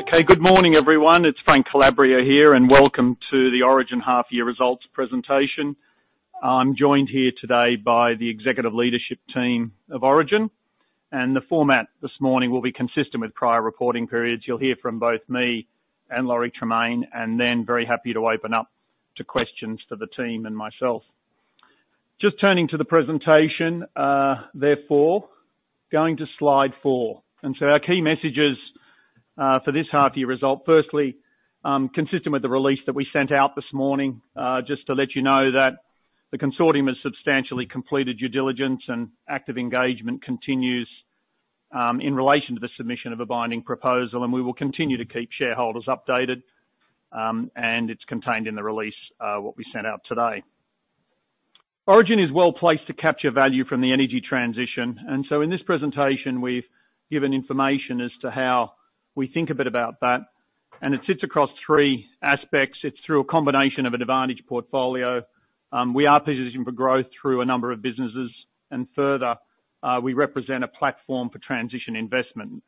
Okay, good morning, everyone. It's Frank Calabria here. Welcome to the Origin Half-Year Results Presentation. I'm joined here today by the executive leadership team of Origin. The format this morning will be consistent with prior reporting periods. You'll hear from both me and Lawrie Tremaine. Then very happy to open up to questions for the team and myself. Just turning to the presentation, therefore, going to slide four. Our key messages, for this half-year result, firstly, consistent with the release that we sent out this morning, just to let you know that the consortium has substantially completed due diligence and active engagement continues, in relation to the submission of a binding proposal. We will continue to keep shareholders updated, and it's contained in the release, what we sent out today. Origin is well-placed to capture value from the energy transition. In this presentation we've given information as to how we think a bit about that, and it sits across three aspects. It's through a combination of an advantage portfolio. We are positioning for growth through a number of businesses and further, we represent a platform for transition investment.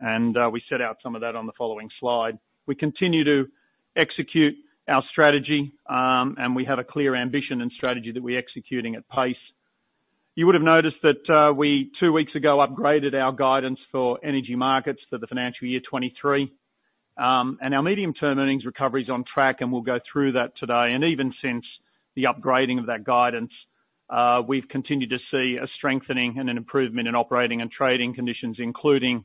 We set out some of that on the following slide. We continue to execute our strategy. We have a clear ambition and strategy that we're executing at pace. You would have noticed that we two weeks ago upgraded our guidance for Energy Markets to the financial year 2023. Our medium-term earnings recovery is on track. We'll go through that today. Even since the upgrading of that guidance, we've continued to see a strengthening and an improvement in operating and trading conditions, including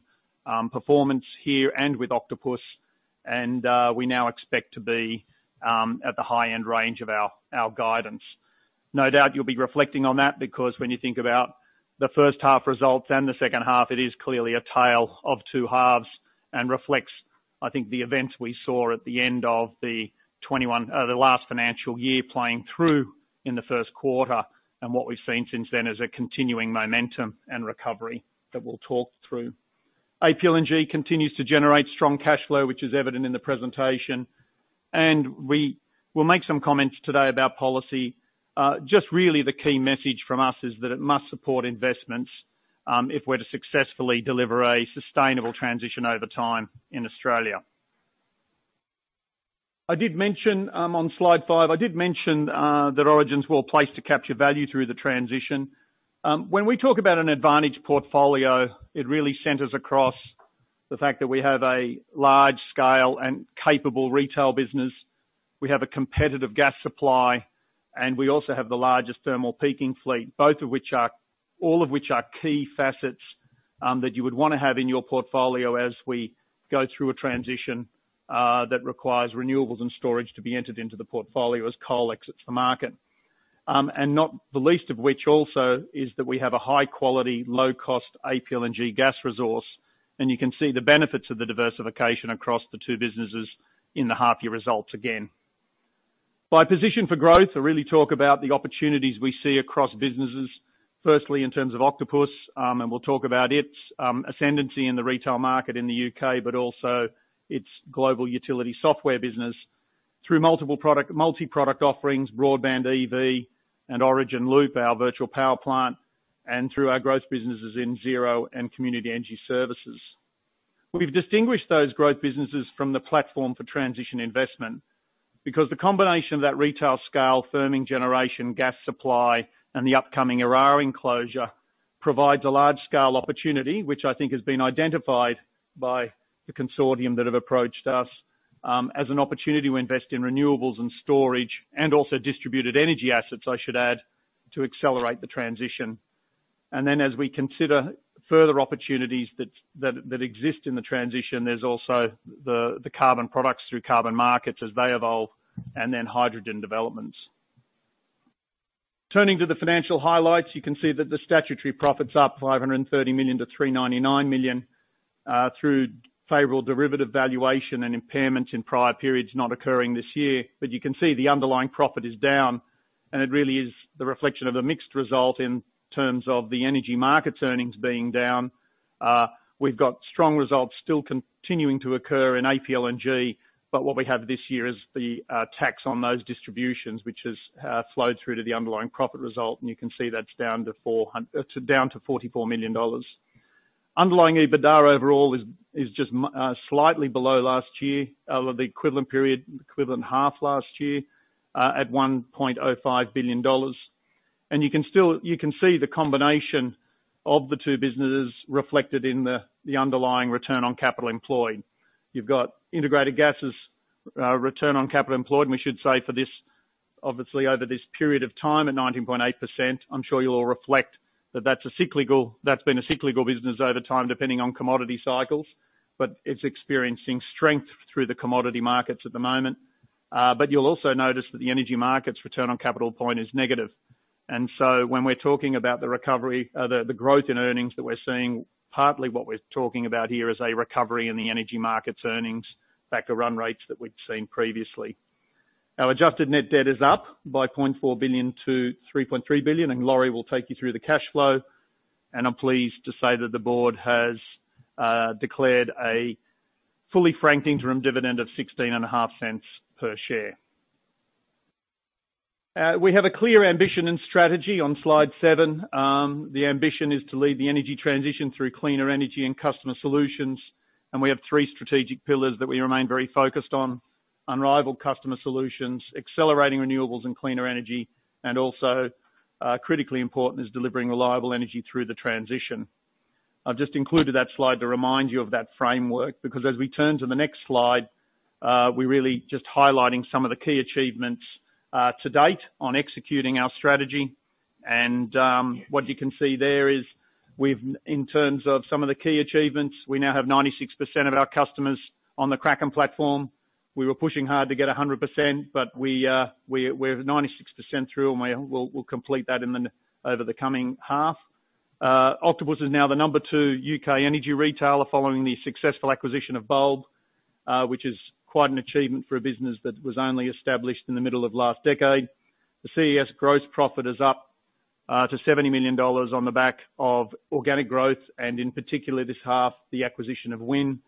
performance here and with Octopus, we now expect to be at the high-end range of our guidance. No doubt, you'll be reflecting on that because when you think about the first half results and the second half, it is clearly a tale of two halves and reflects, I think the events we saw at the end of the last financial year playing through in the first quarter. What we've seen since then is a continuing momentum and recovery that we'll talk through. APLNG continues to generate strong cash flow, which is evident in the presentation. We will make some comments today about policy. Just really the key message from us is that it must support investments if we're to successfully deliver a sustainable transition over time in Australia. I did mention. On slide five, I did mention that Origin's well-placed to capture value through the transition. When we talk about an advantage portfolio, it really centers across the fact that we have a large scale and capable Retail business. We have a competitive gas supply, and we also have the largest thermal peaking fleet, all of which are key facets that you would wanna have in your portfolio as we go through a transition that requires renewables and storage to be entered into the portfolio as coal exits the market. Not the least of which also is that we have a high quality, low cost APLNG gas resource, and you can see the benefits of the diversification across the two businesses in the half-year results again. By position for growth, I really talk about the opportunities we see across businesses. Firstly, in terms of Octopus, and we'll talk about its ascendancy in the Retail market in the U.K., but also its global utility software business through multi-product offerings, broadband EV and Origin Loop, our virtual power plant, and through our growth businesses in Origin Zero and community energy services. We've distinguished those growth businesses from the platform for transition investment because the combination of that Retail scale firming generation gas supply and the upcoming Eraring enclosure provides a large-scale opportunity, which I think has been identified by the consortium that have approached us, as an opportunity to invest in renewables and storage and also distributed energy assets, I should add, to accelerate the transition. As we consider further opportunities that exist in the transition, there's also the carbon products through carbon markets as they evolve and then hydrogen developments. Turning to the financial highlights, you can see that the statutory profit's up 530 million to 399 million through favorable derivative valuation and impairments in prior periods not occurring this year. You can see the underlying profit is down, and it really is the reflection of a mixed result in terms of the Energy Markets earnings being down. We've got strong results still continuing to occur in APLNG, but what we have this year is the tax on those distributions, which has flowed through to the underlying profit result, and you can see that's down to 44 million dollars. Underlying EBITDA overall is slightly below last year, the equivalent period, equivalent half last year, at 1.05 billion dollars. You can see the combination of the two businesses reflected in the underlying return on capital employed. You've got Integrated Gas return on capital employed, and we should say for this, obviously over this period of time, at 19.8%. I'm sure you'll all reflect that that's been a cyclical business over time, depending on commodity cycles, but it's experiencing strength through the commodity markets at the moment. You'll also notice that the Energy Markets return on capital point is negative. When we're talking about the recovery, the growth in earnings that we're seeing, partly what we're talking about here is a recovery in the Energy Markets earnings back to run rates that we've seen previously. Our adjusted net debt is up by 400 million to 3.3 billion, and Lawrie will take you through the cash flow. I'm pleased to say that the board has declared a fully franked interim dividend of 0.165 per share. We have a clear ambition and strategy on slide seven The ambition is to lead the energy transition through cleaner energy and customer solutions. We have three strategic pillars that we remain very focused on. Unrivaled customer solutions, accelerating renewables and cleaner energy, and also, critically important is delivering reliable energy through the transition. I've just included that slide to remind you of that framework, because as we turn to the next slide, we're really just highlighting some of the key achievements to date on executing our strategy. What you can see there is in terms of some of the key achievements, we now have 96% of our customers on the Kraken platform. We were pushing hard to get 100%, but we're 96% through and we'll complete that over the coming half. Octopus is now the number two U.K. energy Retailer following the successful acquisition of Bulb, which is quite an achievement for a business that was only established in the middle of last decade. The CES gross profit is up to 70 million dollars on the back of organic growth, and in particular this half, the acquisition of Wind.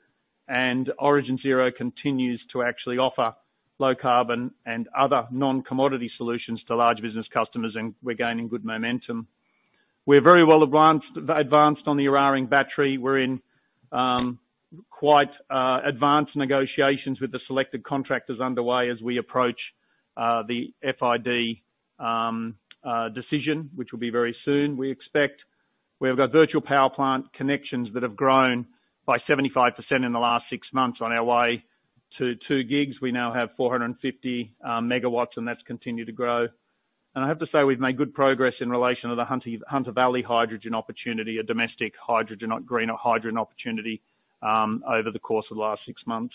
Origin Zero continues to actually offer low carbon and other non-commodity solutions to large business customers, and we're gaining good momentum. We're very well advanced on the Eraring battery. We're in quite advanced negotiations with the selected contractors underway as we approach the FID decision, which will be very soon, we expect. We've got virtual power plant connections that have grown by 75% in the last six months on our way to 2 G. We now have 450 MW, that's continued to grow. I have to say we've made good progress in relation to the Hunter Valley Hydrogen opportunity, a domestic hydrogen or greener hydrogen opportunity, over the course of the last six months.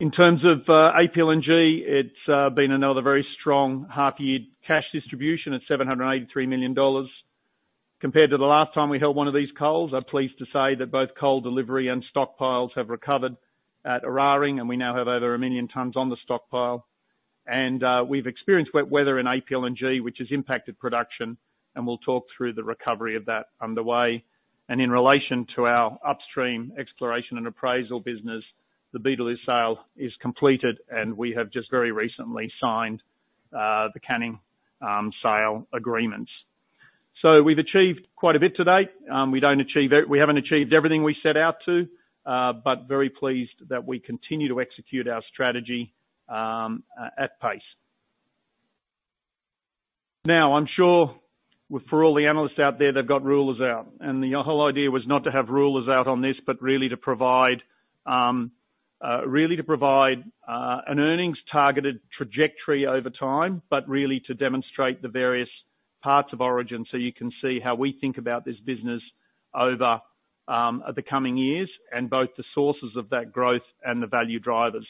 In terms of APLNG, it's been another very strong half-year cash distribution at 783 million dollars. Compared to the last time we held one of these calls, I'm pleased to say that both coal delivery and stockpiles have recovered at Eraring, and we now have over one million tons on the stockpile. We've experienced wet weather in APLNG, which has impacted production, and we'll talk through the recovery of that underway. In relation to our upstream exploration and appraisal business, the Beetaloo sale is completed, and we have just very recently signed the Canning sale agreements. We've achieved quite a bit to date. We haven't achieved everything we set out to, but very pleased that we continue to execute our strategy at pace. I'm sure for all the analysts out there, they've got rulers out, and the whole idea was not to have rulers out on this, really to provide an earnings-targeted trajectory over time, but really to demonstrate the various parts of Origin so you can see how we think about this business over the coming years, and both the sources of that growth and the value drivers.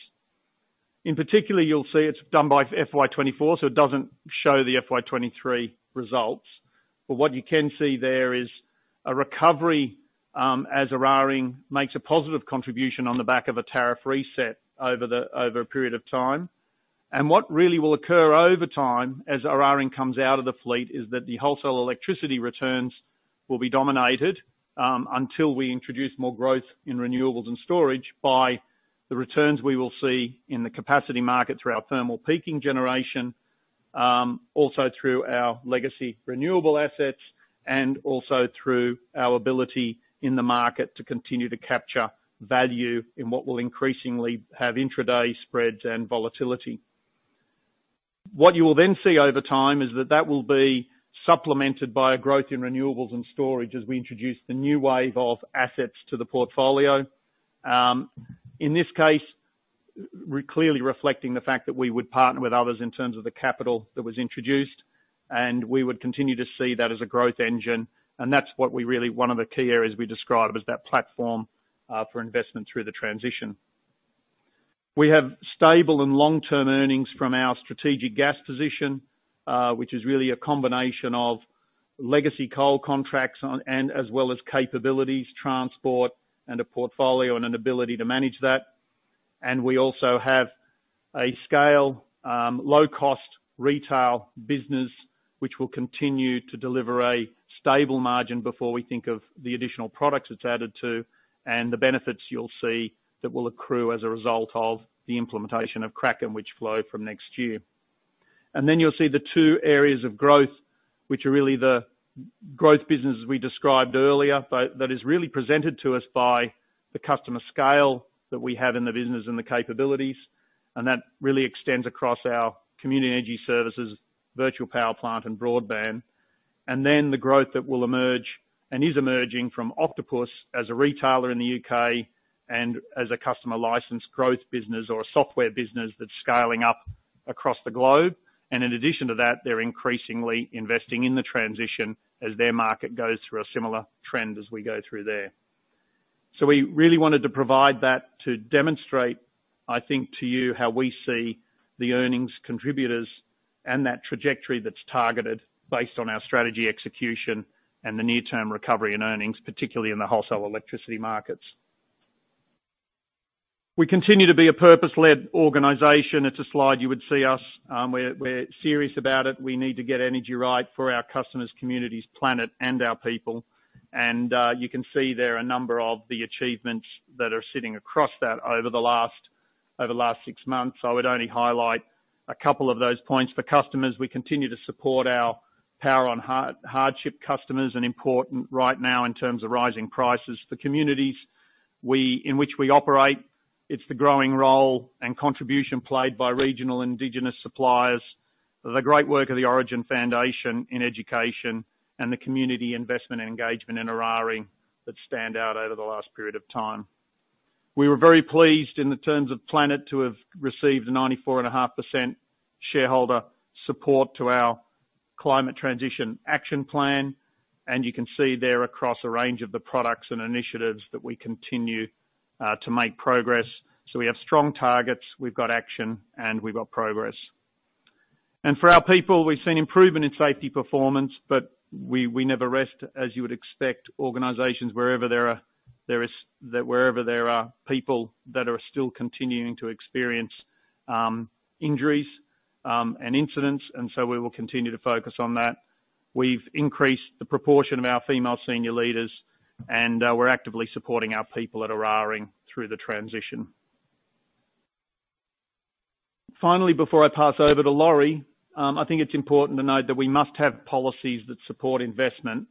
In particular, you'll see it's done by FY 2024, so it doesn't show the FY 2023 results. What you can see there is a recovery, as Eraring makes a positive contribution on the back of a tariff reset over a period of time. What really will occur over time as Eraring comes out of the fleet is that the wholesale electricity returns will be dominated, until we introduce more growth in renewables and storage by the returns we will see in the capacity market through our thermal peaking generation, also through our legacy renewable assets, and also through our ability in the market to continue to capture value in what will increasingly have intraday spreads and volatility. What you will then see over time is that that will be supplemented by a growth in renewables and storage as we introduce the new wave of assets to the portfolio. In this case, clearly reflecting the fact that we would partner with others in terms of the capital that was introduced, and we would continue to see that as a growth engine. That's what one of the key areas we describe as that platform, for investment through the transition. We have stable and long-term earnings from our strategic gas position, which is really a combination of legacy coal contracts and as well as capabilities, transport and a portfolio and an ability to manage that. We also have a scale, low-cost Retail business, which will continue to deliver a stable margin before we think of the additional products it's added to and the benefits you'll see that will accrue as a result of the implementation of Kraken, which flow from next year. You'll see the two areas of growth, which are really the growth businesses we described earlier, but that is really presented to us by the customer scale that we have in the business and the capabilities, and that really extends across our community energy services, virtual power plant and broadband. The growth that will emerge, and is emerging, from Octopus as a Retailer in the U.K. and as a customer license growth business or a software business that's scaling up across the globe. In addition to that, they're increasingly investing in the transition as their market goes through a similar trend as we go through there. We really wanted to provide that to demonstrate, I think, to you, how we see the earnings contributors and that trajectory that's targeted based on our strategy execution and the near-term recovery in earnings, particularly in the wholesale electricity markets. We continue to be a purpose-led organization. It's a slide you would see us. We're serious about it. We need to get energy right for our customers, communities, planet, and our people. You can see there are a number of the achievements that are sitting across that over the last six months. I would only highlight a couple of those points. For customers, we continue to support our power on hardship customers, an important right now in terms of rising prices. For communities we, in which we operate, it's the growing role and contribution played by regional indigenous suppliers, the great work of the Origin Foundation in education and the community investment and engagement in Eraring that stand out over the last period of time. We were very pleased in the terms of planet to have received 94.5% shareholder support to our climate transition action plan. You can see there across a range of the products and initiatives that we continue to make progress. We have strong targets, we've got action, and we've got progress. For our people, we've seen improvement in safety performance, but we never rest, as you would expect, organizations wherever there are people that are still continuing to experience injuries and incidents. We will continue to focus on that. We've increased the proportion of our female senior leaders and we're actively supporting our people at Eraring through the transition. Finally, before I pass over to Lawrie, I think it's important to note that we must have policies that support investment,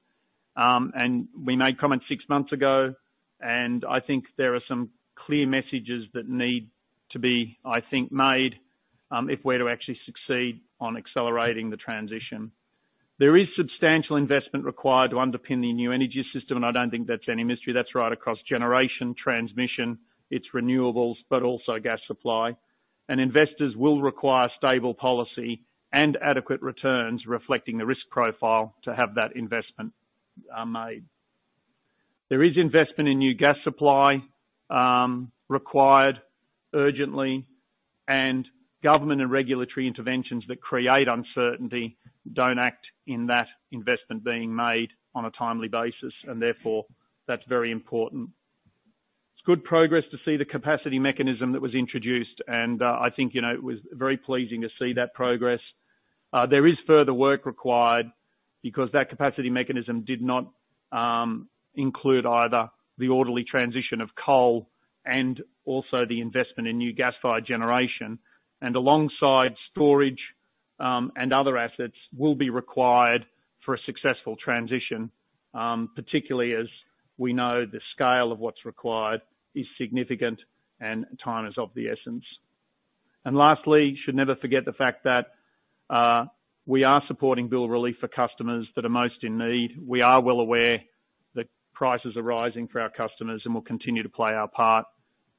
and we made comments six months ago, and I think there are some clear messages that need to be, I think, made, if we're to actually succeed on accelerating the transition. There is substantial investment required to underpin the new energy system. I don't think that's any mystery. That's right across generation, transmission, it's renewables, but also gas supply. Investors will require stable policy and adequate returns reflecting the risk profile to have that investment made. There is investment in new gas supply required urgently, and government and regulatory interventions that create uncertainty don't act in that investment being made on a timely basis, and therefore that's very important. It's good progress to see the capacity mechanism that was introduced and, I think, you know, it was very pleasing to see that progress. There is further work required because that capacity mechanism did not include either the orderly transition of coal and also the investment in new gas-fired generation, and alongside storage and other assets will be required for a successful transition, particularly as we know the scale of what's required is significant and time is of the essence. Lastly, should never forget the fact that we are supporting bill relief for customers that are most in need. We are well aware that prices are rising for our customers and will continue to play our part,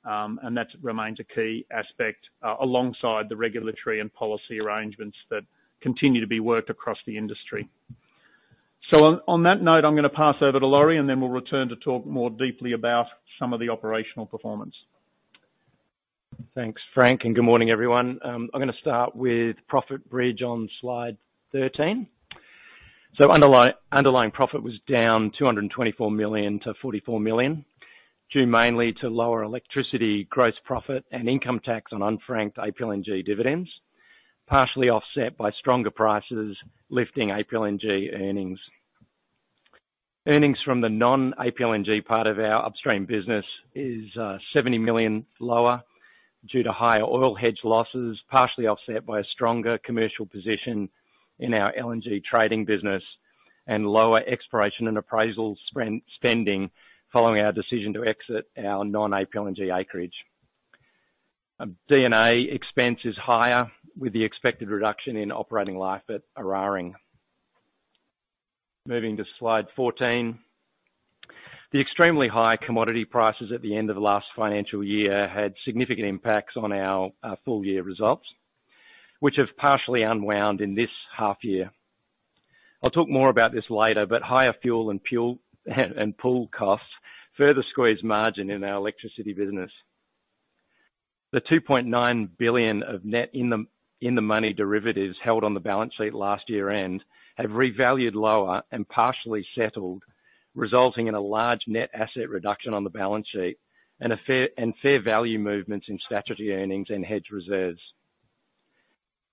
and that remains a key aspect alongside the regulatory and policy arrangements that continue to be worked across the industry. On that note, I'm gonna pass over to Lawrie, and then we'll return to talk more deeply about some of the operational performance. Thanks, Frank. Good morning, everyone. I'm gonna start with profit bridge on slide 13. Underlying profit was down $224 million to $44 million, due mainly to lower electricity gross profit and income tax on unfranked APLNG dividends, partially offset by stronger prices lifting APLNG earnings. Earnings from the non-APLNG part of our upstream business is $70 million lower due to higher oil hedge losses, partially offset by a stronger commercial position in our LNG trading business and lower exploration and appraisal spending following our decision to exit our non-APLNG acreage. DD&A expense is higher with the expected reduction in operating life at Eraring. Moving to slide 14. The extremely high commodity prices at the end of the last financial year had significant impacts on our full-year results, which have partially unwound in this half-year. I'll talk more about this later. Higher fuel and pool costs further squeezed margin in our electricity business. The 2.9 billion of net in the money derivatives held on the balance sheet last year-end have revalued lower and partially settled, resulting in a large net asset reduction on the balance sheet and a fair value movements in statutory earnings and hedged reserves.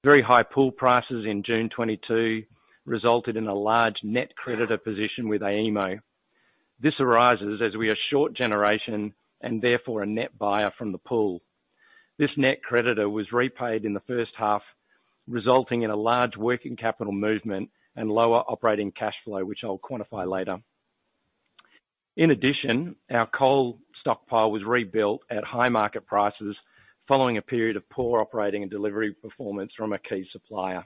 Very high pool prices in June 2022 resulted in a large net creditor position with AEMO. This arises as we are short generation and therefore a net buyer from the pool. This net creditor was repaid in the first half, resulting in a large working capital movement and lower operating cash flow, which I'll quantify later. In addition, our coal stockpile was rebuilt at high market prices following a period of poor operating and delivery performance from a key supplier.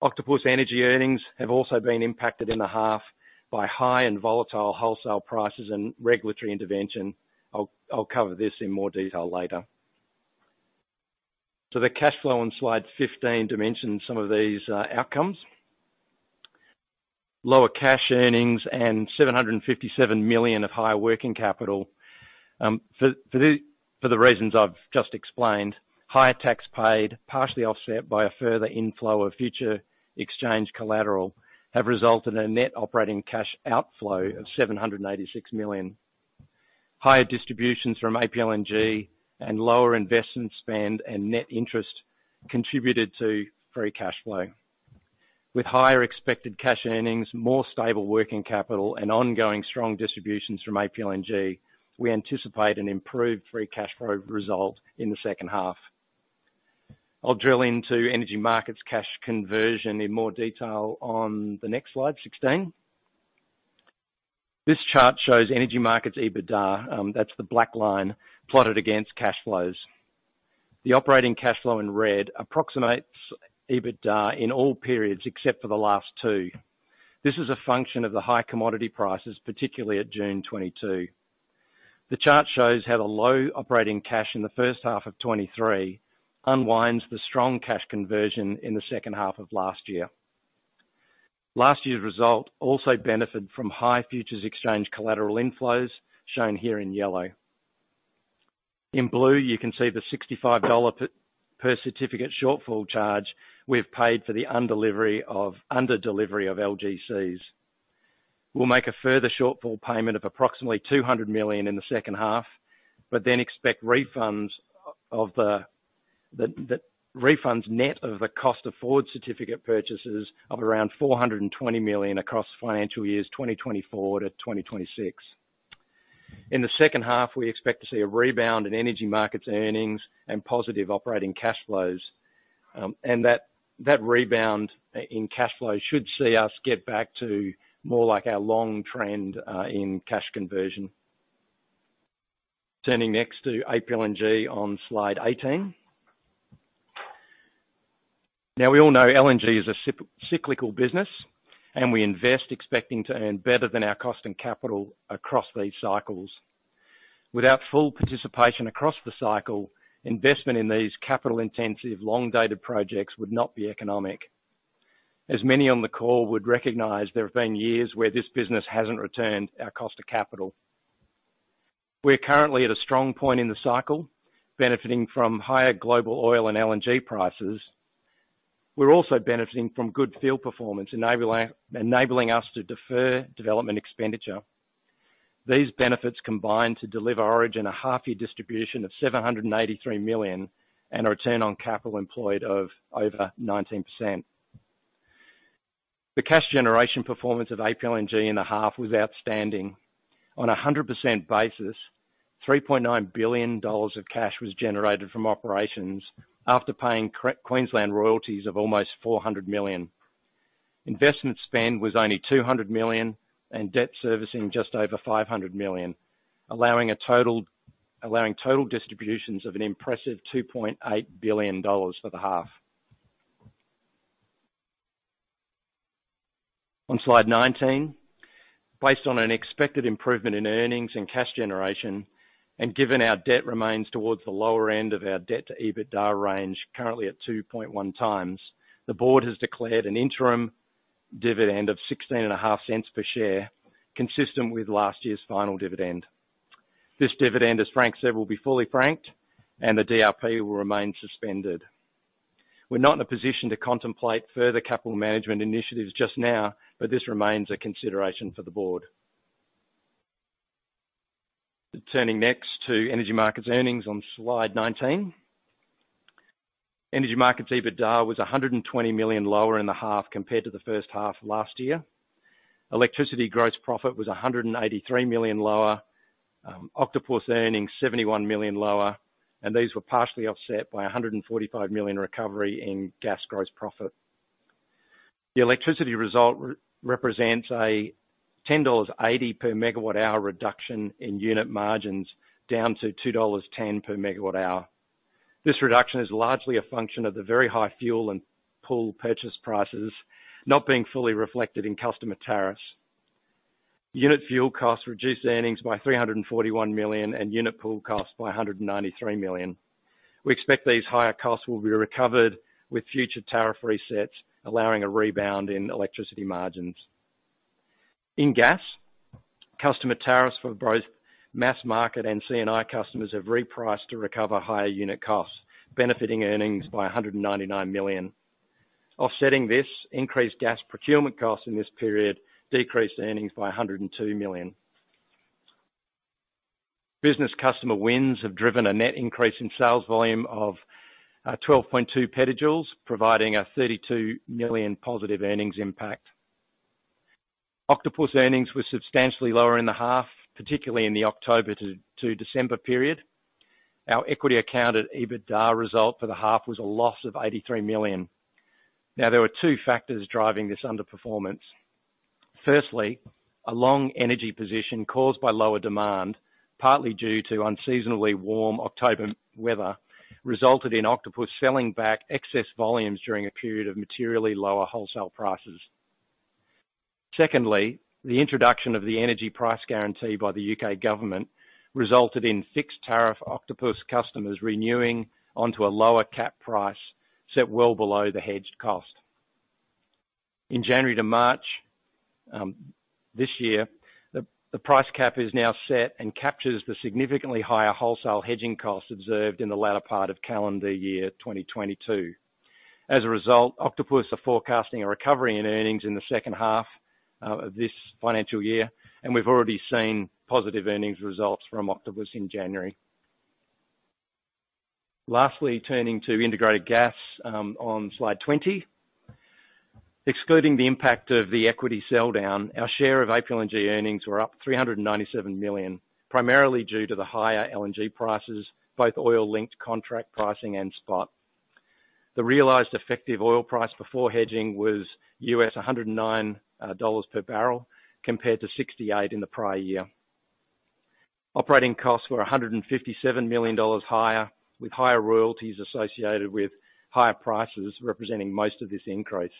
Octopus Energy earnings have also been impacted in the half by high and volatile wholesale prices and regulatory intervention. I'll cover this in more detail later. The cash flow on slide 15 dimensions some of these outcomes. Lower cash earnings and 757 million of higher working capital for the reasons I've just explained, higher tax paid, partially offset by a further inflow of future exchange collateral, have resulted in a net operating cash outflow of 786 million. Higher distributions from APLNG and lower investment spend and net interest contributed to free cash flow. With higher expected cash earnings, more stable working capital and ongoing strong distributions from APLNG, we anticipate an improved free cash flow result in the second half. I'll drill into Energy Markets cash conversion in more detail on the next slide, 16. This chart shows Energy Markets EBITDA, that's the black line plotted against cash flows. The operating cash flow in red approximates EBITDA in all periods except for the last two. This is a function of the high commodity prices, particularly at June 2022. The chart shows how the low operating cash in the first half of 2023 unwinds the strong cash conversion in the second half of last year. Last year's result also benefited from high futures exchange collateral inflows, shown here in yellow. In blue, you can see the $65 per certificate shortfall charge we've paid for the under delivery of LGCs. We'll make a further shortfall payment of approximately 200 million in the second half, expect refunds net of the cost of forward certificate purchases of around 420 million across financial years 2024–2026. In the second half, we expect to see a rebound in Energy Markets earnings and positive operating cash flows, and that rebound in cash flow should see us get back to more like our long trend in cash conversion. Turning next to APLNG on slide 18. We all know LNG is a cyclical business, and we invest expecting to earn better than our cost and capital across these cycles. Without full participation across the cycle, investment in these capital-intensive, long-dated projects would not be economic. As many on the call would recognize, there have been years where this business hasn't returned our cost of capital. We're currently at a strong point in the cycle, benefiting from higher global oil and LNG prices. We're also benefiting from good field performance enabling us to defer development expenditure. These benefits combine to deliver Origin a half-year distribution of 783 million and a return on capital employed of over 19%. The cash generation performance of APLNG in the half was outstanding. On a 100% basis, 3.9 billion dollars of cash was generated from operations after paying Queensland royalties of almost 400 million. Investment spend was only 200 million and debt servicing just over 500 million, allowing total distributions of an impressive 2.8 billion dollars for the half. On slide 19, based on an expected improvement in earnings and cash generation, and given our debt remains towards the lower end of our debt-to-EBITDA range, currently at 2.1x, the board has declared an interim dividend of 0.165 per share, consistent with last year's final dividend. This dividend, as Frank said, will be fully franked and the DRP will remain suspended. We're not in a position to contemplate further capital management initiatives just now, but this remains a consideration for the board. Turning next to Energy Markets earnings on slide 19. Energy Markets EBITDA was 120 million lower in the half compared to the first half of last year. Electricity gross profit was 183 million lower, Octopus earnings 71 million lower, and these were partially offset by 145 million recovery in gas gross profit. The electricity result represents an 10.80 per MWh reduction in unit margins, down to 2.10 dollars per MWh. This reduction is largely a function of the very high fuel and pool purchase prices not being fully reflected in customer tariffs. Unit fuel costs reduced earnings by 341 million and unit pool costs by 193 million. We expect these higher costs will be recovered with future tariff resets, allowing a rebound in electricity margins. In gas, customer tariffs for both mass market and CNI customers have repriced to recover higher unit costs, benefiting earnings by 199 million. Offsetting this, increased gas procurement costs in this period decreased earnings by 102 million. Business customer wins have driven a net increase in sales volume of 12.2 petajoules, providing an 32 million positive earnings impact. Octopus earnings were substantially lower in the half, particularly in the October to December period. Our equity accounted EBITDA result for the half was a loss of 83 million. There were two factors driving this underperformance. Firstly, a long energy position caused by lower demand, partly due to unseasonably warm October weather, resulted in Octopus selling back excess volumes during a period of materially lower wholesale prices. Secondly, the introduction of the Energy Price Guarantee by the U.K. government resulted in fixed-tariff Octopus customers renewing onto a lower cap price set well below the hedged cost. In January to March, this year, the price cap is now set and captures the significantly higher wholesale hedging costs observed in the latter part of calendar year 2022. Octopus are forecasting a recovery in earnings in the second half of this financial year, and we've already seen positive earnings results from Octopus in January. Lastly, turning to Integrated Gas, on Slide 20. Excluding the impact of the equity sell-down, our share of APLNG earnings were up 397 million, primarily due to the higher LNG prices, both oil-linked contract pricing and spot. The realized effective oil price before hedging was US $109 per barrel, compared to $68 in the prior year. Operating costs were 157 million dollars higher, with higher royalties associated with higher prices representing most of this increase.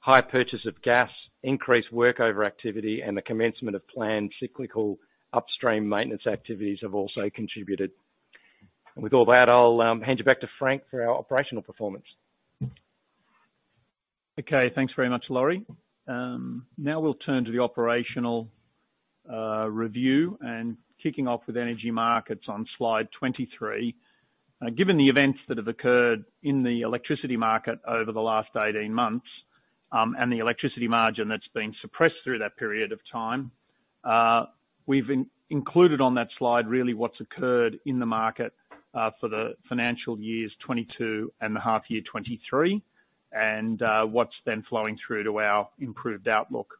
High purchase of gas, increased work overactivity, and the commencement of planned cyclical upstream maintenance activities have also contributed. With all that, I'll hand you back to Frank for our operational performance. Okay, thanks very much, Lawrie. Now we'll turn to the operational review and kicking off with Energy Markets on slide 23. Given the events that have occurred in the electricity market over the last 18 months, and the electricity margin that's been suppressed through that period of time, we've included on that slide really what's occurred in the market for the financial years 2022 and the half-year 2023, and what's then flowing through to our improved outlook.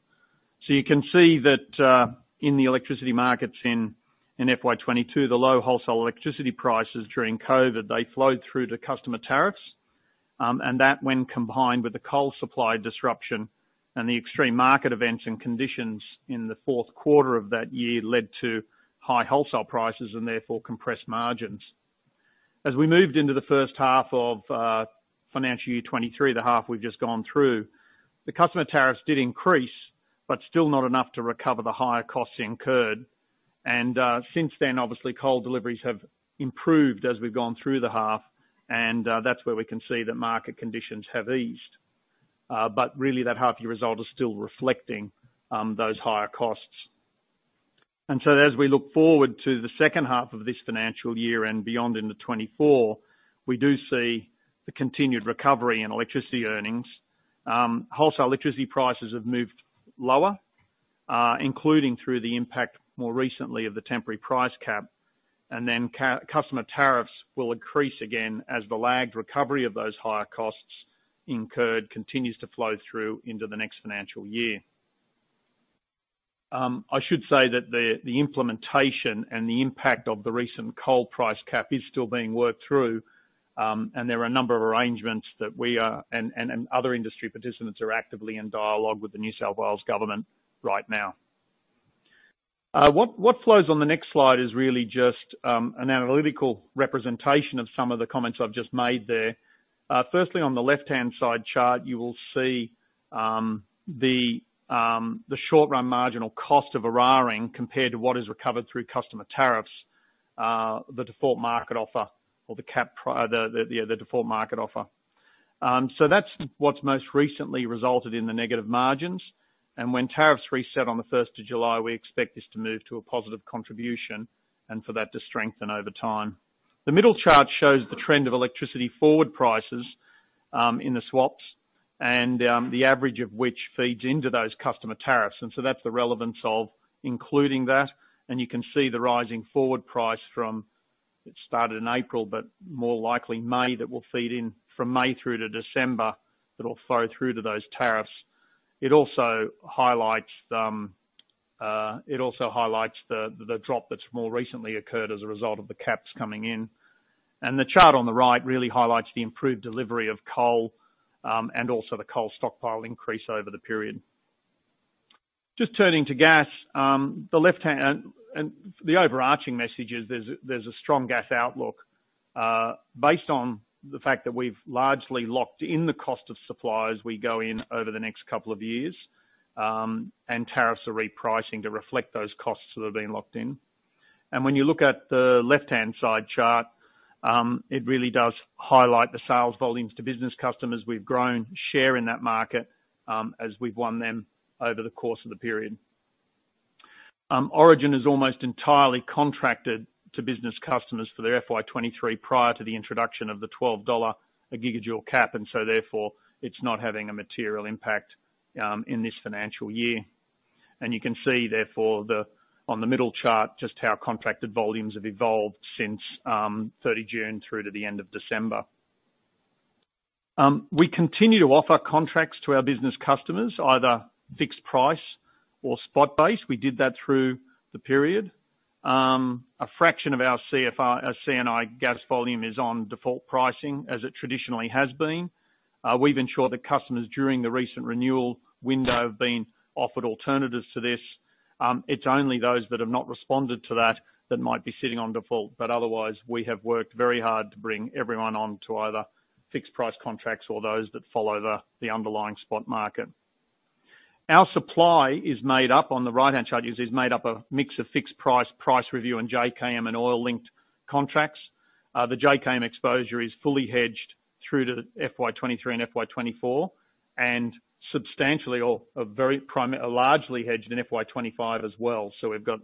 You can see that in the electricity markets in FY 2022, the low wholesale electricity prices during COVID, they flowed through to customer tariffs, and that when combined with the coal supply disruption and the extreme market events and conditions in the fourth quarter of that year led to high wholesale prices and therefore compressed margins. As we moved into the first half of financial year 2023, the half we've just gone through, the customer tariffs did increase, but still not enough to recover the higher costs incurred. Since then, obviously, coal deliveries have improved as we've gone through the half, and that's where we can see that market conditions have eased. Really that half-year result is still reflecting those higher costs. As we look forward to the second half of this financial year and beyond into 2024, we do see the continued recovery in electricity earnings. Wholesale electricity prices have moved lower, including through the impact more recently of the temporary price cap. Customer tariffs will increase again as the lagged recovery of those higher costs incurred continues to flow through into the next financial year. I should say that the implementation and the impact of the recent coal price cap is still being worked through, and there are a number of arrangements that we are and other industry participants are actively in dialogue with the New South Wales government right now. What flows on the next slide is really just an analytical representation of some of the comments I've just made there. Firstly, on the left-hand side chart, you will see the short-run marginal cost of Eraring compared to what is recovered through customer tariffs, the Default Market Offer or the cap or the Default Market Offer. That's what's most recently resulted in the negative margins. When tariffs reset on the 1st of July, we expect this to move to a positive contribution and for that to strengthen over time. The middle chart shows the trend of electricity forward prices in the swaps and the average of which feeds into those customer tariffs. That's the relevance of including that. You can see the rising forward price from, it started in April, but more likely May, that will feed in from May through to December, that will flow through to those tariffs. It also highlights the drop that's more recently occurred as a result of the caps coming in. The chart on the right really highlights the improved delivery of coal and also the coal stockpile increase over the period. Just turning to gas, the left-hand—the overarching message is there's a strong gas outlook, based on the fact that we've largely locked in the cost of suppliers we go in over the next couple of years, and tariffs are repricing to reflect those costs that have been locked in. When you look at the left-hand side chart, it really does highlight the sales volumes to business customers. We've grown share in that market, as we've won them over the course of the period. Origin is almost entirely contracted to business customers for their FY 2023 prior to the introduction of the 12 dollar a GJ cap, therefore it's not having a material impact, in this financial year. You can see, therefore, on the middle chart, just how contracted volumes have evolved since 30 June through to the end of December. We continue to offer contracts to our business customers, either fixed price or spot base. We did that through the period. A fraction of our C&I gas volume is on default pricing, as it traditionally has been. We've ensured that customers during the recent renewal window have been offered alternatives to this. It's only those that have not responded to that that might be sitting on default. Otherwise, we have worked very hard to bring everyone on to either fixed price contracts or those that follow the underlying spot market. Our supply is made up, on the right-hand chart, is made up of mix of fixed price review, and JKM and oil-linked contracts. The JKM exposure is fully hedged through to FY 2023 and FY 2024. Substantially or a very largely hedged in FY 2025 as well. We've got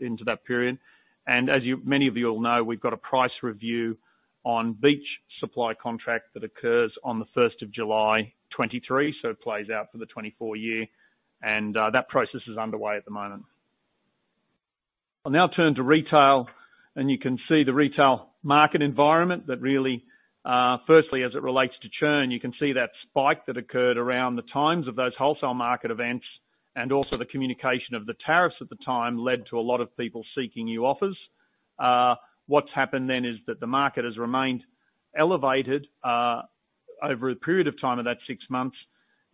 into that period. As you many of you all know, we've got a price review on Beach Energy supply contract that occurs on the first of July 2023, so it plays out for the 2024 year. That process is underway at the moment. I'll now turn to Retail. You can see the Retail market environment that really, firstly, as it relates to churn, you can see that spike that occurred around the times of those wholesale market events, and also the communication of the tariffs at the time led to a lot of people seeking new offers. What's happened then is that the market has remained elevated over a period of time of that six months.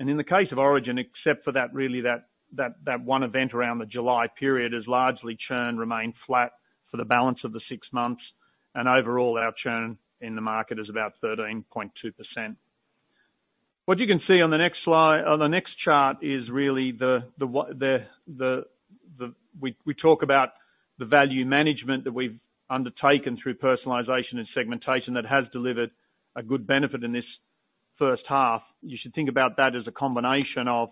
In the case of Origin, except for that really that, that one event around the July period, as largely churn remained flat for the balance of the six months. Overall, our churn in the market is about 13.2%. What you can see on the next slide, on the next chart is really the value management that we've undertaken through personalization and segmentation that has delivered a good benefit in this first half. You should think about that as a combination of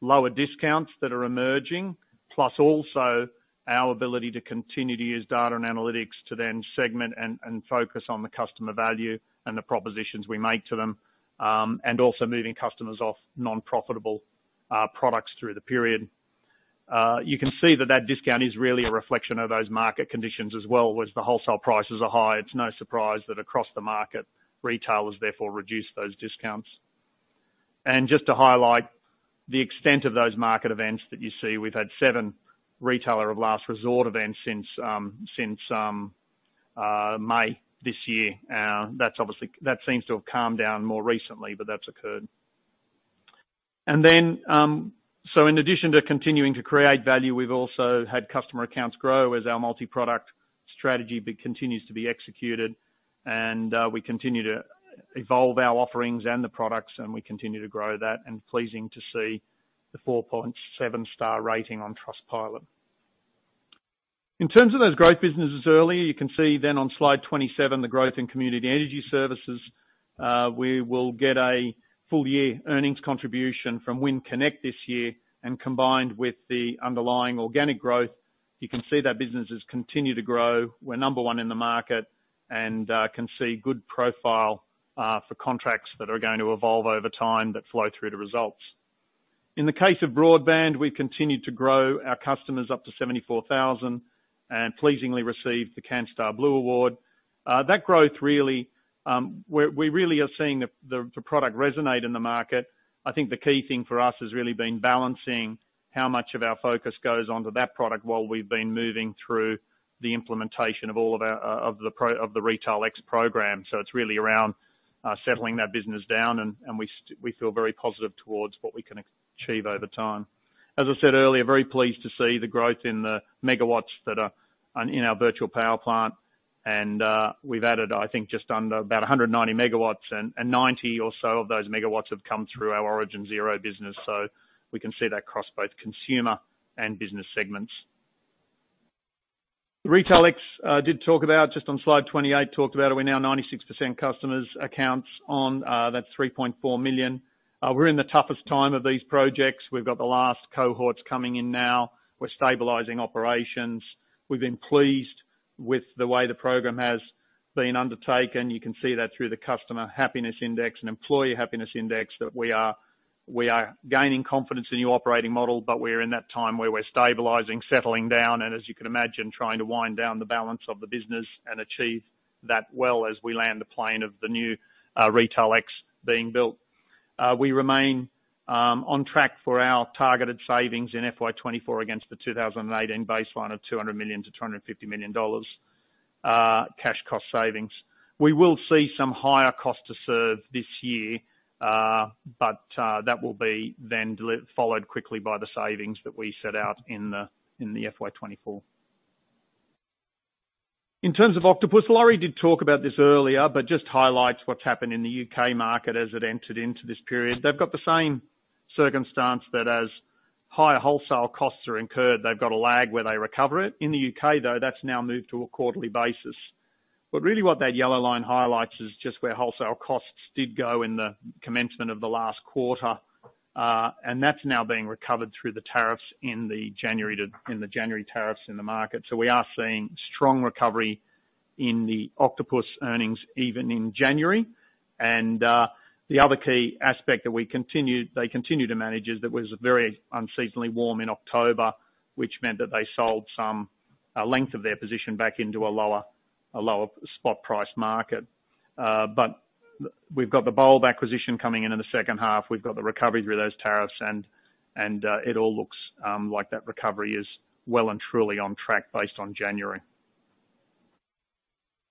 lower discounts that are emerging, plus also our ability to continue to use data and analytics to then segment and focus on the customer value and the propositions we make to them, and also moving customers off non-profitable products through the period. You can see that that discount is really a reflection of those market conditions as well, whereas the wholesale prices are high. It's no surprise that across the market, Retailers therefore reduce those discounts. Just to highlight the extent of those market events that you see, we've had seven Retailer of Last Resort events since May this year. That seems to have calmed down more recently, but that's occurred. In addition to continuing to create value, we've also had customer accounts grow as our multi-product strategy continues to be executed. We continue to evolve our offerings and the products, and we continue to grow that, and pleasing to see the 4.7-star rating on Trustpilot. In terms of those growth businesses earlier, you can see on slide 27, the growth in community energy services, we will get a full-year earnings contribution from WINconnect this year, and combined with the underlying organic growth, you can see that businesses continue to grow. We're number one in the market and can see good profile for contracts that are going to evolve over time that flow through to results. In the case of broadband, we've continued to grow our customers up to 74,000 and pleasingly received the Canstar Blue Award. That growth really, we really are seeing the product resonate in the market. I think the key thing for us has really been balancing how much of our focus goes onto that product while we've been moving through the implementation of all of our of the Retail X program. It's really around settling that business down and we feel very positive towards what we can achieve over time. As I said earlier, very pleased to see the growth in the MW that are on in our virtual power plant. We've added, I think, just under about 190 MW and 90 or so of those MW have come through our Origin Zero business. We can see that across both consumer and business segments. The RetailX did talk about, just on slide 28, talked about it. We're now 96% customers accounts on that 3.4 million. We're in the toughest time of these projects. We've got the last cohorts coming in now. We're stabilizing operations. We've been pleased with the way the program has been undertaken. You can see that through the customer happiness index and employee happiness index that we are gaining confidence in the operating model, but we're in that time where we're stabilizing, settling down, and as you can imagine, trying to wind down the balance of the business and achieve that well as we land the plane of the new RetailX being built. We remain on track for our targeted savings in FY 2024 against the 2018 baseline of $200 million-$250 million cash cost savings. We will see some higher cost to serve this year, that will be then followed quickly by the savings that we set out in the FY 2024. In terms of Octopus, Lawrie did talk about this earlier, just highlights what's happened in the U.K. market as it entered into this period. They've got the same circumstance that as higher wholesale costs are incurred, they've got a lag where they recover it. In the U.K., though, that's now moved to a quarterly basis. Really what that yellow line highlights is just where wholesale costs did go in the commencement of the last quarter, and that's now being recovered through the tariffs in the January tariffs in the market. We are seeing strong recovery in the Octopus earnings even in January. The other key aspect that they continue to manage is that it was very unseasonably warm in October, which meant that they sold some length of their position back into a lower spot price market. We've got the Bulb acquisition coming in in the second half. We've got the recovery through those tariffs and it all looks like that recovery is well and truly on track based on January.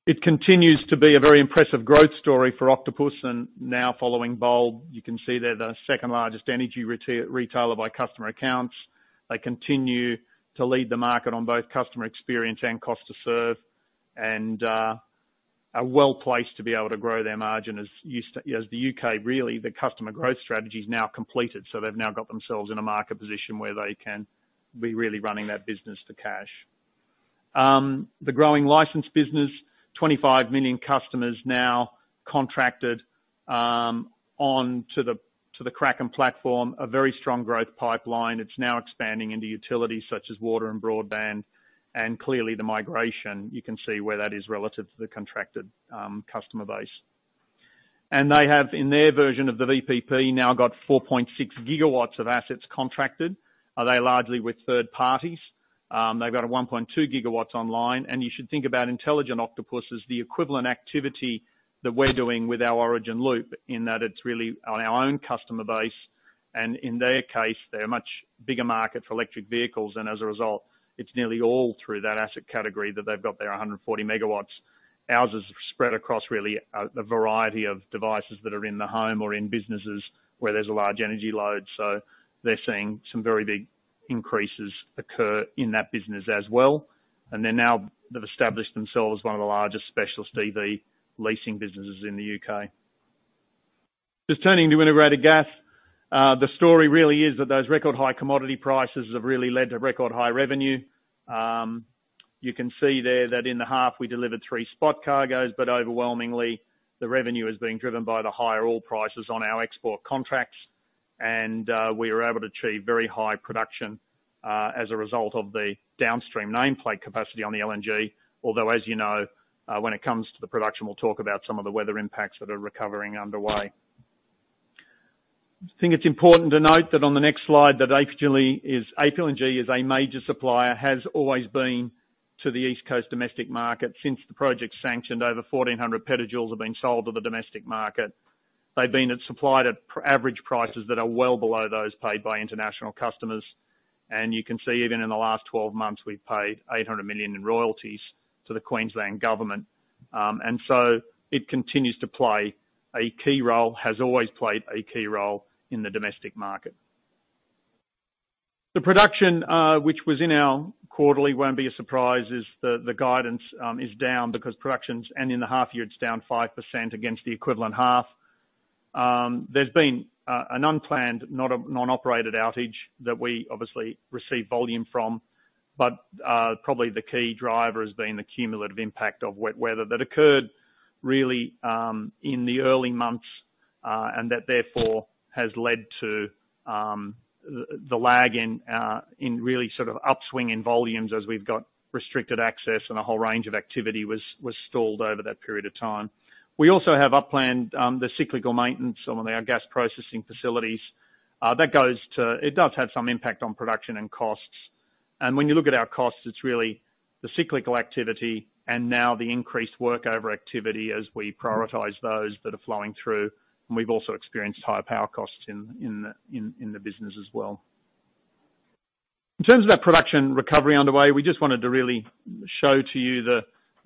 It continues to be a very impressive growth story for Octopus and now following Bulb. You can see they're the second largest energy Retailer by customer accounts. They continue to lead the market on both customer experience and cost to serve, and are well-placed to be able to grow their margin as the U.K., really, the customer growth strategy is now completed, so they've now got themselves in a market position where they can be really running that business to cash. The growing license business, 25 million customers now contracted on to the Kraken platform, a very strong growth pipeline. It's now expanding into utilities such as water and broadband, and clearly the migration, you can see where that is relative to the contracted customer base. And they have, in their version of the VPP, now got 4.6 GW of assets contracted. Are they largely with third parties? They've got a 1.2 GW online. You should think about Intelligent Octopus as the equivalent activity that we're doing with our Origin Loop in that it's really on our own customer base. In their case, they're a much bigger market for electric vehicles and as a result, it's nearly all through that asset category that they've got their 140 MW. Ours is spread across really, the variety of devices that are in the home or in businesses where there's a large energy load. They're seeing some very big increases occur in that business as well. They've established themselves as one of the largest specialist EV leasing businesses in the U.K. Just turning to Integrated Gas. The story really is that those record high commodity prices have really led to record high revenue. You can see there that in the half we delivered three spot cargoes, but overwhelmingly the revenue is being driven by the higher oil prices on our export contracts. We were able to achieve very high production as a result of the downstream nameplate capacity on the LNG. Although, as you know, when it comes to the production, we'll talk about some of the weather impacts that are recovering underway. I think it's important to note that on the next slide that APLNG is a major supplier, has always been to the East Coast domestic market. Since the project sanctioned over 1,400 petajoules have been sold to the domestic market. They've been at supply at average prices that are well below those paid by international customers. You can see even in the last 12 months, we've paid 800 million in royalties to the Queensland Government. It continues to play a key role, has always played a key role in the domestic market. The production, which was in our quarterly won't be a surprise is the guidance, is down because in the half-year, it's down 5% against the equivalent half. There's been an unplanned non-operated outage that we obviously receive volume from, but probably the key driver has been the cumulative impact of wet weather that occurred really in the early months, and that therefore has led to the lag in really sort of upswing in volumes as we've got restricted access and a whole range of activity was stalled over that period of time. We also have unplanned cyclical maintenance on our gas processing facilities. It does have some impact on production and costs. When you look at our costs, it's really the cyclical activity and now the increased work overactivity as we prioritize those that are flowing through. We've also experienced higher power costs in the business as well. In terms of that production recovery underway, we just wanted to really show to you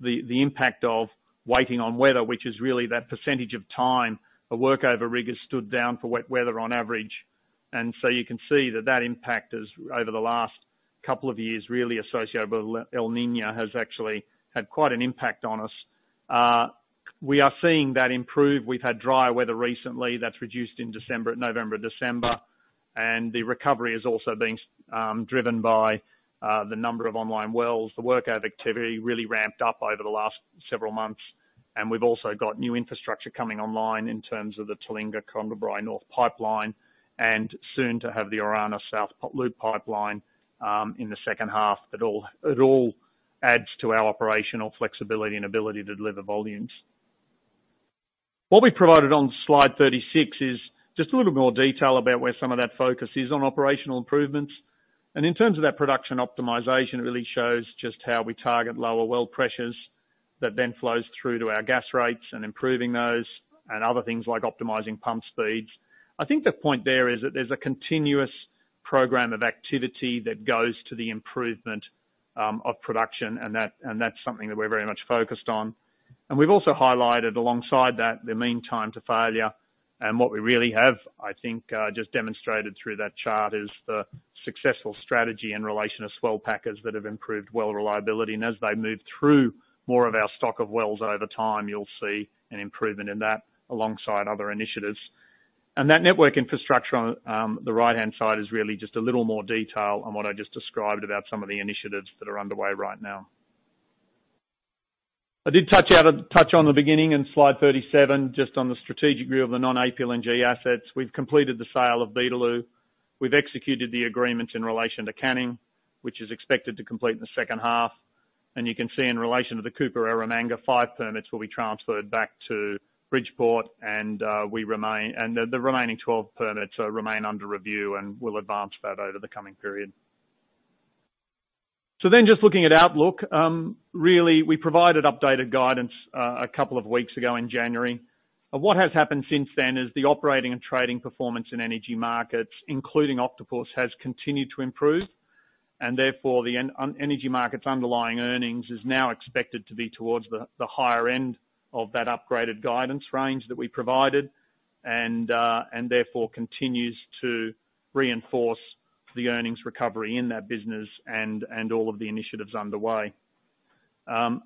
the impact of waiting on weather, which is really that percentage of time a workover rigger stood down for wet weather on average. You can see that that impact is over the last couple of years, really associated with El Niño, has actually had quite an impact on us. We are seeing that improve. We've had drier weather recently that's reduced in December, November, December, and the recovery is also driven by the number of online wells. The work out of activity really ramped up over the last several months, and we've also got new infrastructure coming online in terms of the Toolinga Condobolin North pipeline and soon to have the Orana South Loop pipeline in the second half. It all adds to our operational flexibility and ability to deliver volumes. What we provided on slide 36, is just a little more detail about where some of that focus is on operational improvements. In terms of that production optimization, it really shows just how we target lower well pressures that then flows through to our gas rates and improving those and other things like optimizing pump speeds. I think the point there is that there's a continuous program of activity that goes to the improvement of production, and that's something that we're very much focused on. We've also highlighted alongside that, the mean time to failure. What we really have, I think, just demonstrated through that chart is the successful strategy in relation to swell packers that have improved well reliability. As they move through more of our stock of wells over time, you'll see an improvement in that alongside other initiatives. That network infrastructure on the right-hand side is really just a little more detail on what I just described about some of the initiatives that are underway right now. I did touch on the beginning in slide 37, just on the strategic view of the non-APLNG assets. We've completed the sale of Beetaloo. We've executed the agreements in relation to Canning, which is expected to complete in the second half. You can see in relation to the Cooper-Eromanga, five permits will be transferred back to Bridgeport. The remaining 12 permits remain under review, and we'll advance that over the coming period. Just looking at outlook, really we provided updated guidance a couple weeks ago in January. What has happened since then is the operating and trading performance in Energy Markets, including Octopus, has continued to improve. Therefore on Energy Markets underlying earnings is now expected to be towards the higher end of that upgraded guidance range that we provided and therefore continues to reinforce the earnings recovery in that business and all of the initiatives underway.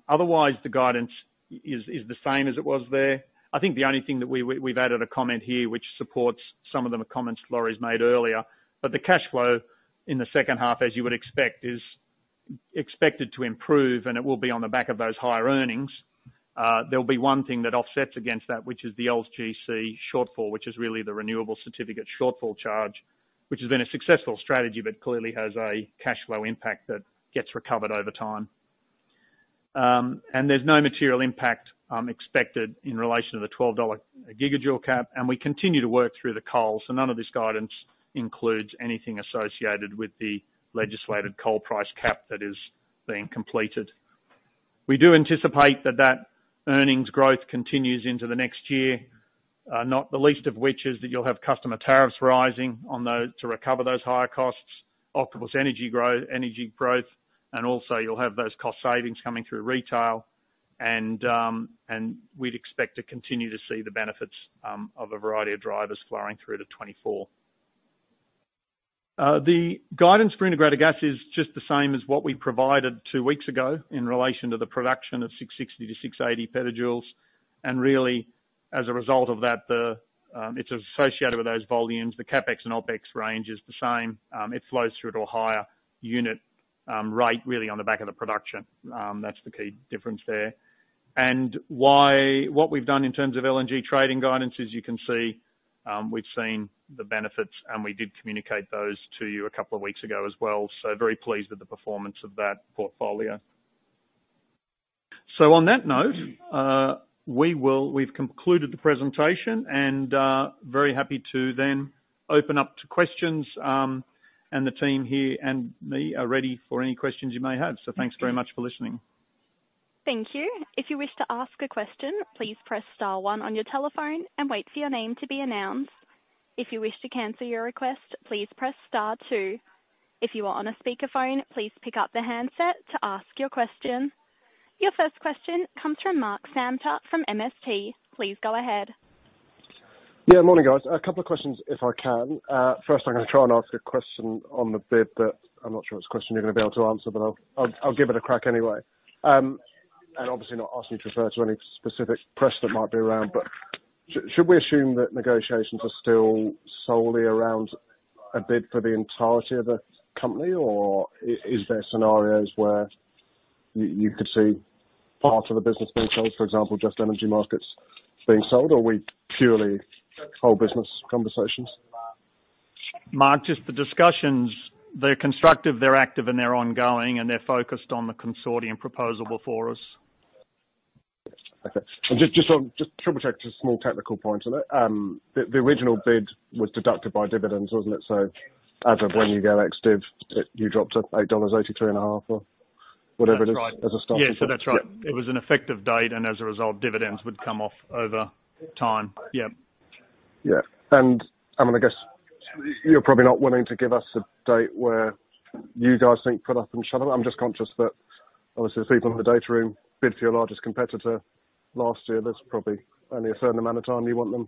Otherwise, the guidance is the same as it was there. I think the only thing that we've added a comment here which supports some of the comments Lawrie's made earlier, the cashflow in the second half, as you would expect, is expected to improve, and it will be on the back of those higher earnings. There will be one thing that offsets against that, which is the LGC shortfall, which is really the renewable certificate shortfall charge, which has been a successful strategy, but clearly has a cashflow impact that gets recovered over time. There's no material impact expected in relation to the $12 GJ cap, and we continue to work through the coal. So none of this guidance includes anything associated with the legislated coal price cap that is being completed. We do anticipate that that earnings growth continues into the next year, not the least of which is that you'll have customer tariffs rising on those to recover those higher costs, Octopus Energy growth, and also you'll have those cost savings coming through Retail, and we'd expect to continue to see the benefits of a variety of drivers flowing through to 2024. The guidance for Integrated Gas is just the same as what we provided two weeks ago in relation to the production of 660-680 petajoules. Really, as a result of that, the it's associated with those volumes. The CapEx and OpEx range is the same. It flows through to a higher unit rate really on the back of the production. That's the key difference there. What we've done in terms of LNG trading guidance, as you can see, we've seen the benefits and we did communicate those to you a couple of weeks ago as well. Very pleased with the performance of that portfolio. On that note, we've concluded the presentation and very happy to then open up to questions. The team here and me are ready for any questions you may have. Thanks very much for listening. Thank you. If you wish to ask a question, please press star one on your telephone and wait for your name to be announced. If you wish to cancel your request, please press star two. If you are on a speakerphone, please pick up the handset to ask your question. Your first question comes from Mark Samter from MST. Please go ahead. Yeah, morning, guys. A couple of questions if I can. First, I'm gonna try and ask a question on the bid that I'm not sure it's a question you're gonna be able to answer, but I'll give it a crack anyway. Obviously not asking to refer to any specific press that might be around, but should we assume that negotiations are still solely around a bid for the entirety of the company? Or is there scenarios where you could see parts of the business being sold, for example, just Energy Markets being sold, or are we purely whole business conversations? Mark, just the discussions, they're constructive, they're active, and they're ongoing, and they're focused on the consortium proposal before us. Okay. Just double check, just a small technical point on it. The original bid was deducted by dividends, wasn't it? As of when you go ex-div, it dropped to about AUD 8.835 or whatever it is. That's right. As a starter. Yeah. That's right. Yeah. It was an effective date and as a result, dividends would come off over time. Yeah. Yeah. I mean, I guess you're probably not willing to give us a date where you guys think put up and shut up. I'm just conscious that obviously the people in the data room bid for your largest competitor last year. There's probably only a certain amount of time you want them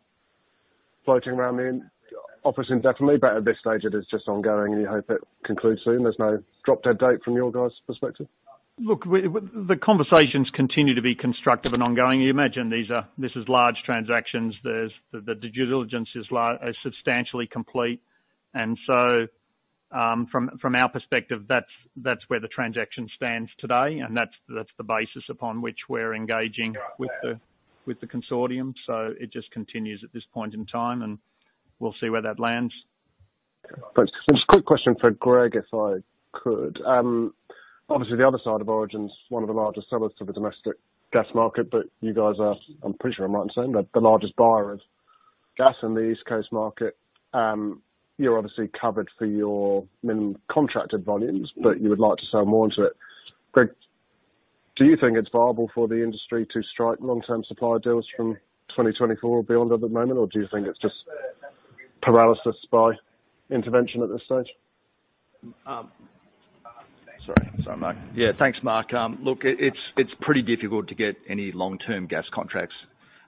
floating around the office indefinitely, but at this stage it is just ongoing, and you hope it concludes soon. There's no drop dead date from your guys' perspective. Look, the conversations continue to be constructive and ongoing. You imagine this is large transactions. There's the due diligence is substantially complete. From our perspective, that's where the transaction stands today and that's the basis upon which we're engaging. Right. With the consortium. It just continues at this point in time. We'll see where that lands. Thanks. Just a quick question for Greg, if I could. Obviously the other side of Origin's one of the largest sellers to the domestic gas market, but you guys are, I'm pretty sure I'm right in saying that, the largest buyer of gas in the East Coast market. You're obviously covered for your min contracted volumes, but you would like to sell more into it. Greg, do you think it's viable for the industry to strike long-term supply deals from 2024 or beyond at the moment? Do you think it's just paralysis by intervention at this stage? Sorry, Mark. Yeah. Thanks, Mark. Look, it's pretty difficult to get any long-term gas contracts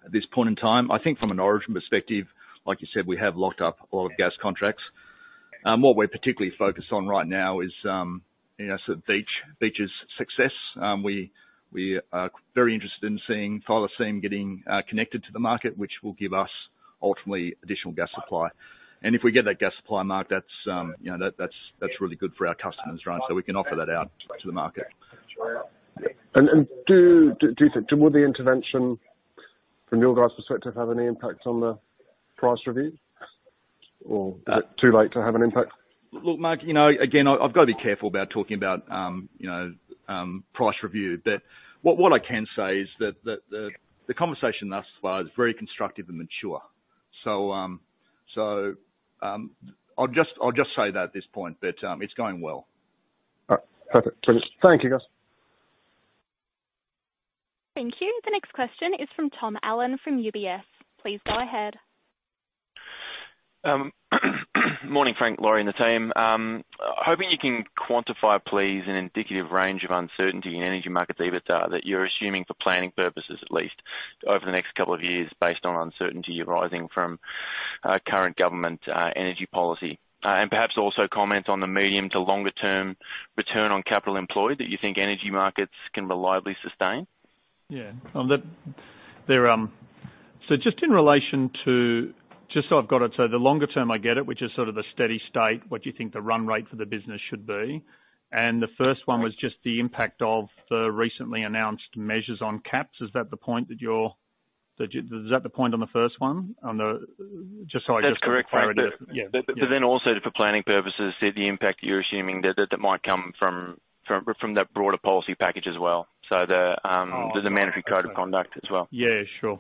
at this point in time. I think from an Origin perspective, like you said, we have locked up oil gas contracts. What we're particularly focused on right now is, you know, sort of Beach's success. We are very interested in seeing Thylacine getting connected to the market, which will give us ultimately additional gas supply. If we get that gas supply, Mark, that's, you know, that's really good for our customers, right? We can offer that out to the market. And do you think—would the intervention from your guys' perspective have any impact on the price review? Or is it too late to have an impact? Look, Mark, you know, again, I've got to be careful about talking about, you know, price review. What I can say is that the conversation thus far is very constructive and mature. I'll just say that at this point, but it's going well. All right. Perfect. Brilliant. Thank you, guys. Thank you. The next question is from Tom Allen from UBS. Please go ahead. Morning, Frank, Lawrie, and the team. Hoping you can quantify, please, an indicative range of uncertainty in Energy Markets EBITDA, that you're assuming for planning purposes at least over the next couple of years based on uncertainty arising from current government energy policy, and perhaps also comment on the medium to longer term return on capital employed that you think Energy Markets can reliably sustain? Yeah. Just so I've got it. The longer term, I get it, which is sort of the steady state, what you think the run rate for the business should be. The first one was just the impact of the recently announced measures on caps. Is that the point that you're? Is that the point on the first one? Just so I. That's correct. Clarity. Yeah. Also for planning purposes, so the impact you're assuming that might come from that broader policy package as well. TThe mandatory code of conduct as well. Yeah, sure.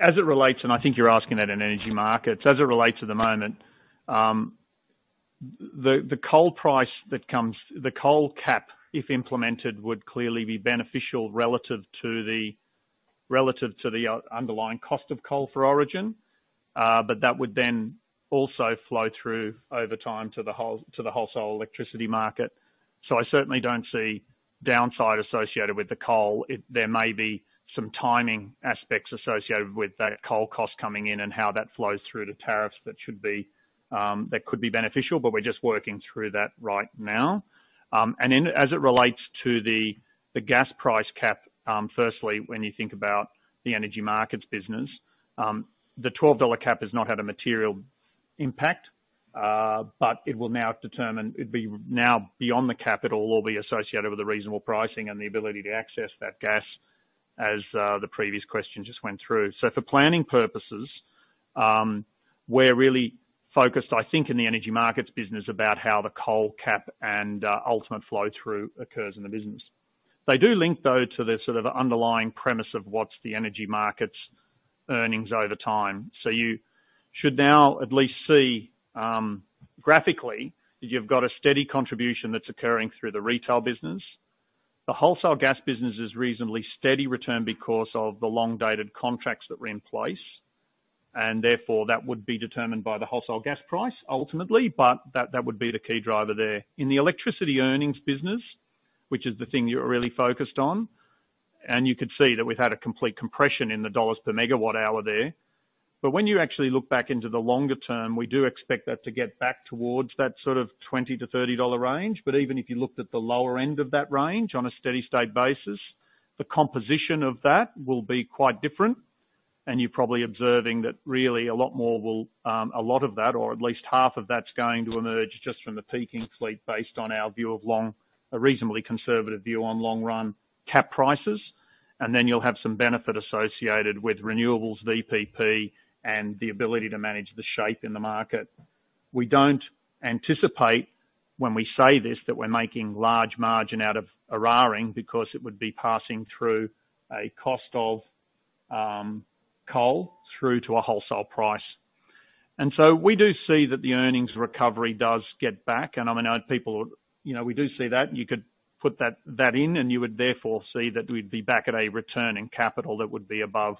As it relates, and I think you're asking at an energy market. As it relates to the moment, The coal cap, if implemented, would clearly be beneficial relative to the underlying cost of coal for Origin. That would then also flow through over time to the wholesale electricity market. I certainly don't see downside associated with the coal. There may be some timing aspects associated with that coal cost coming in and how that flows through to tariffs that should be, that could be beneficial, but we're just working through that right now. As it relates to the gas price cap, firstly, when you think about the Energy Markets business, the $12 cap has not had a material impact, but it will now It'd be now beyond the capital will be associated with the reasonable pricing and the ability to access that gas as the previous question just went through. For planning purposes, we're really focused, I think, in the Energy Markets business about how the coal cap and ultimate flow-through occurs in the business. They do link, though, to the sort of underlying premise of what's the energy market's earnings over time. You should now at least see, graphically, that you've got a steady contribution that's occurring through the Retail business. The wholesale gas business is reasonably steady return because of the long-dated contracts that were in place. Therefore, that would be determined by the wholesale gas price, ultimately, but that would be the key driver there. In the electricity earnings business, which is the thing you're really focused on, you could see that we've had a complete compression in the AUD per MWh there. When you actually look back into the longer term, we do expect that to get back towards that sort of 20-30 dollar range. Even if you looked at the lower end of that range on a steady state basis, the composition of that will be quite different. You're probably observing that really a lot more will, a lot of that or at least half of that's going to emerge just from the peaking fleet based on our view of a reasonably conservative view on long run cap prices. You'll have some benefit associated with renewables VPP and the ability to manage the shape in the market. We don't anticipate when we say this, that we're making large margin out of Eraring because it would be passing through a cost of coal through to a wholesale price. We do see that the earnings recovery does get back. I mean, I know people, you know, we do see that. You could put that in, you would therefore see that we'd be back at a return in capital that would be above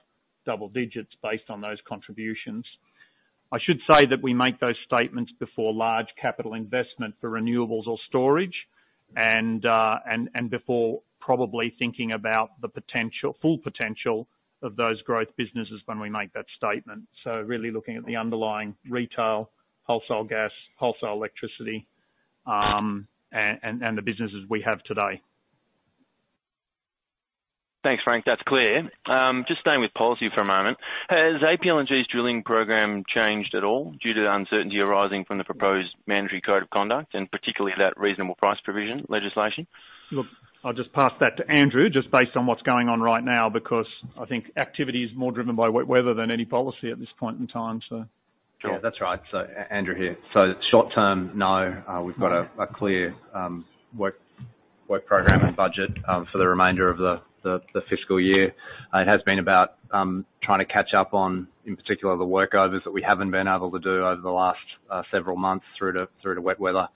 double digits based on those contributions. I should say that we make those statements before large capital investment for renewables or storage and before probably thinking about the potential, full potential of those growth businesses when we make that statement. Really looking at the underlying Retail, wholesale gas, wholesale electricity, and the businesses we have today. Thanks, Frank. That's clear. Just staying with policy for a moment. Has APLNG's drilling program changed at all due to the uncertainty arising from the proposed mandatory code of conduct, and particularly that reasonable price provision legislation? Look, I'll just pass that to Andrew, just based on what's going on right now, because I think activity is more driven by weather than any policy at this point in time. Sure. Yeah, that's right. Andrew here. Short-term, no. Right. We've got a clear work program and budget for the remainder of the fiscal year. It has been about trying to catch up on, in particular, the workovers that we haven't been able to do over the last several months through to wet weather.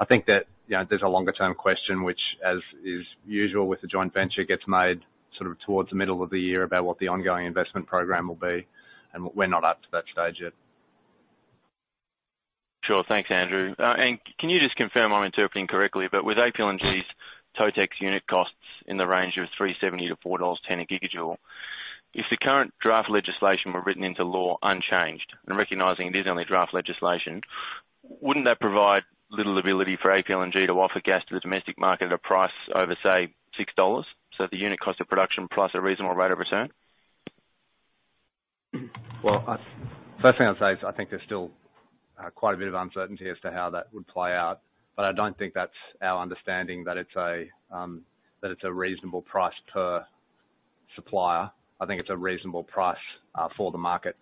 I think that, you know, there's a longer term question which, as is usual with the joint venture, gets made sort of towards the middle of the year about what the ongoing investment program will be, and we're not up to that stage yet. Sure. Thanks, Andrew. Can you just confirm I'm interpreting correctly, but with APLNG's Totex unit costs in the range of 3.70-4.10 dollars a GJ, if the current draft legislation were written into law unchanged, and recognizing it is only draft legislation, wouldn't that provide little ability for APLNG to offer gas to the domestic market at a price over, say, 6.00 dollars, so at the unit cost of production plus a reasonable rate of return? Well, First thing I'd say is I think there's still quite a bit of uncertainty as to how that would play out. I don't think that's our understanding that it's a that it's a reasonable price per supplier. I think it's a reasonable price for the market.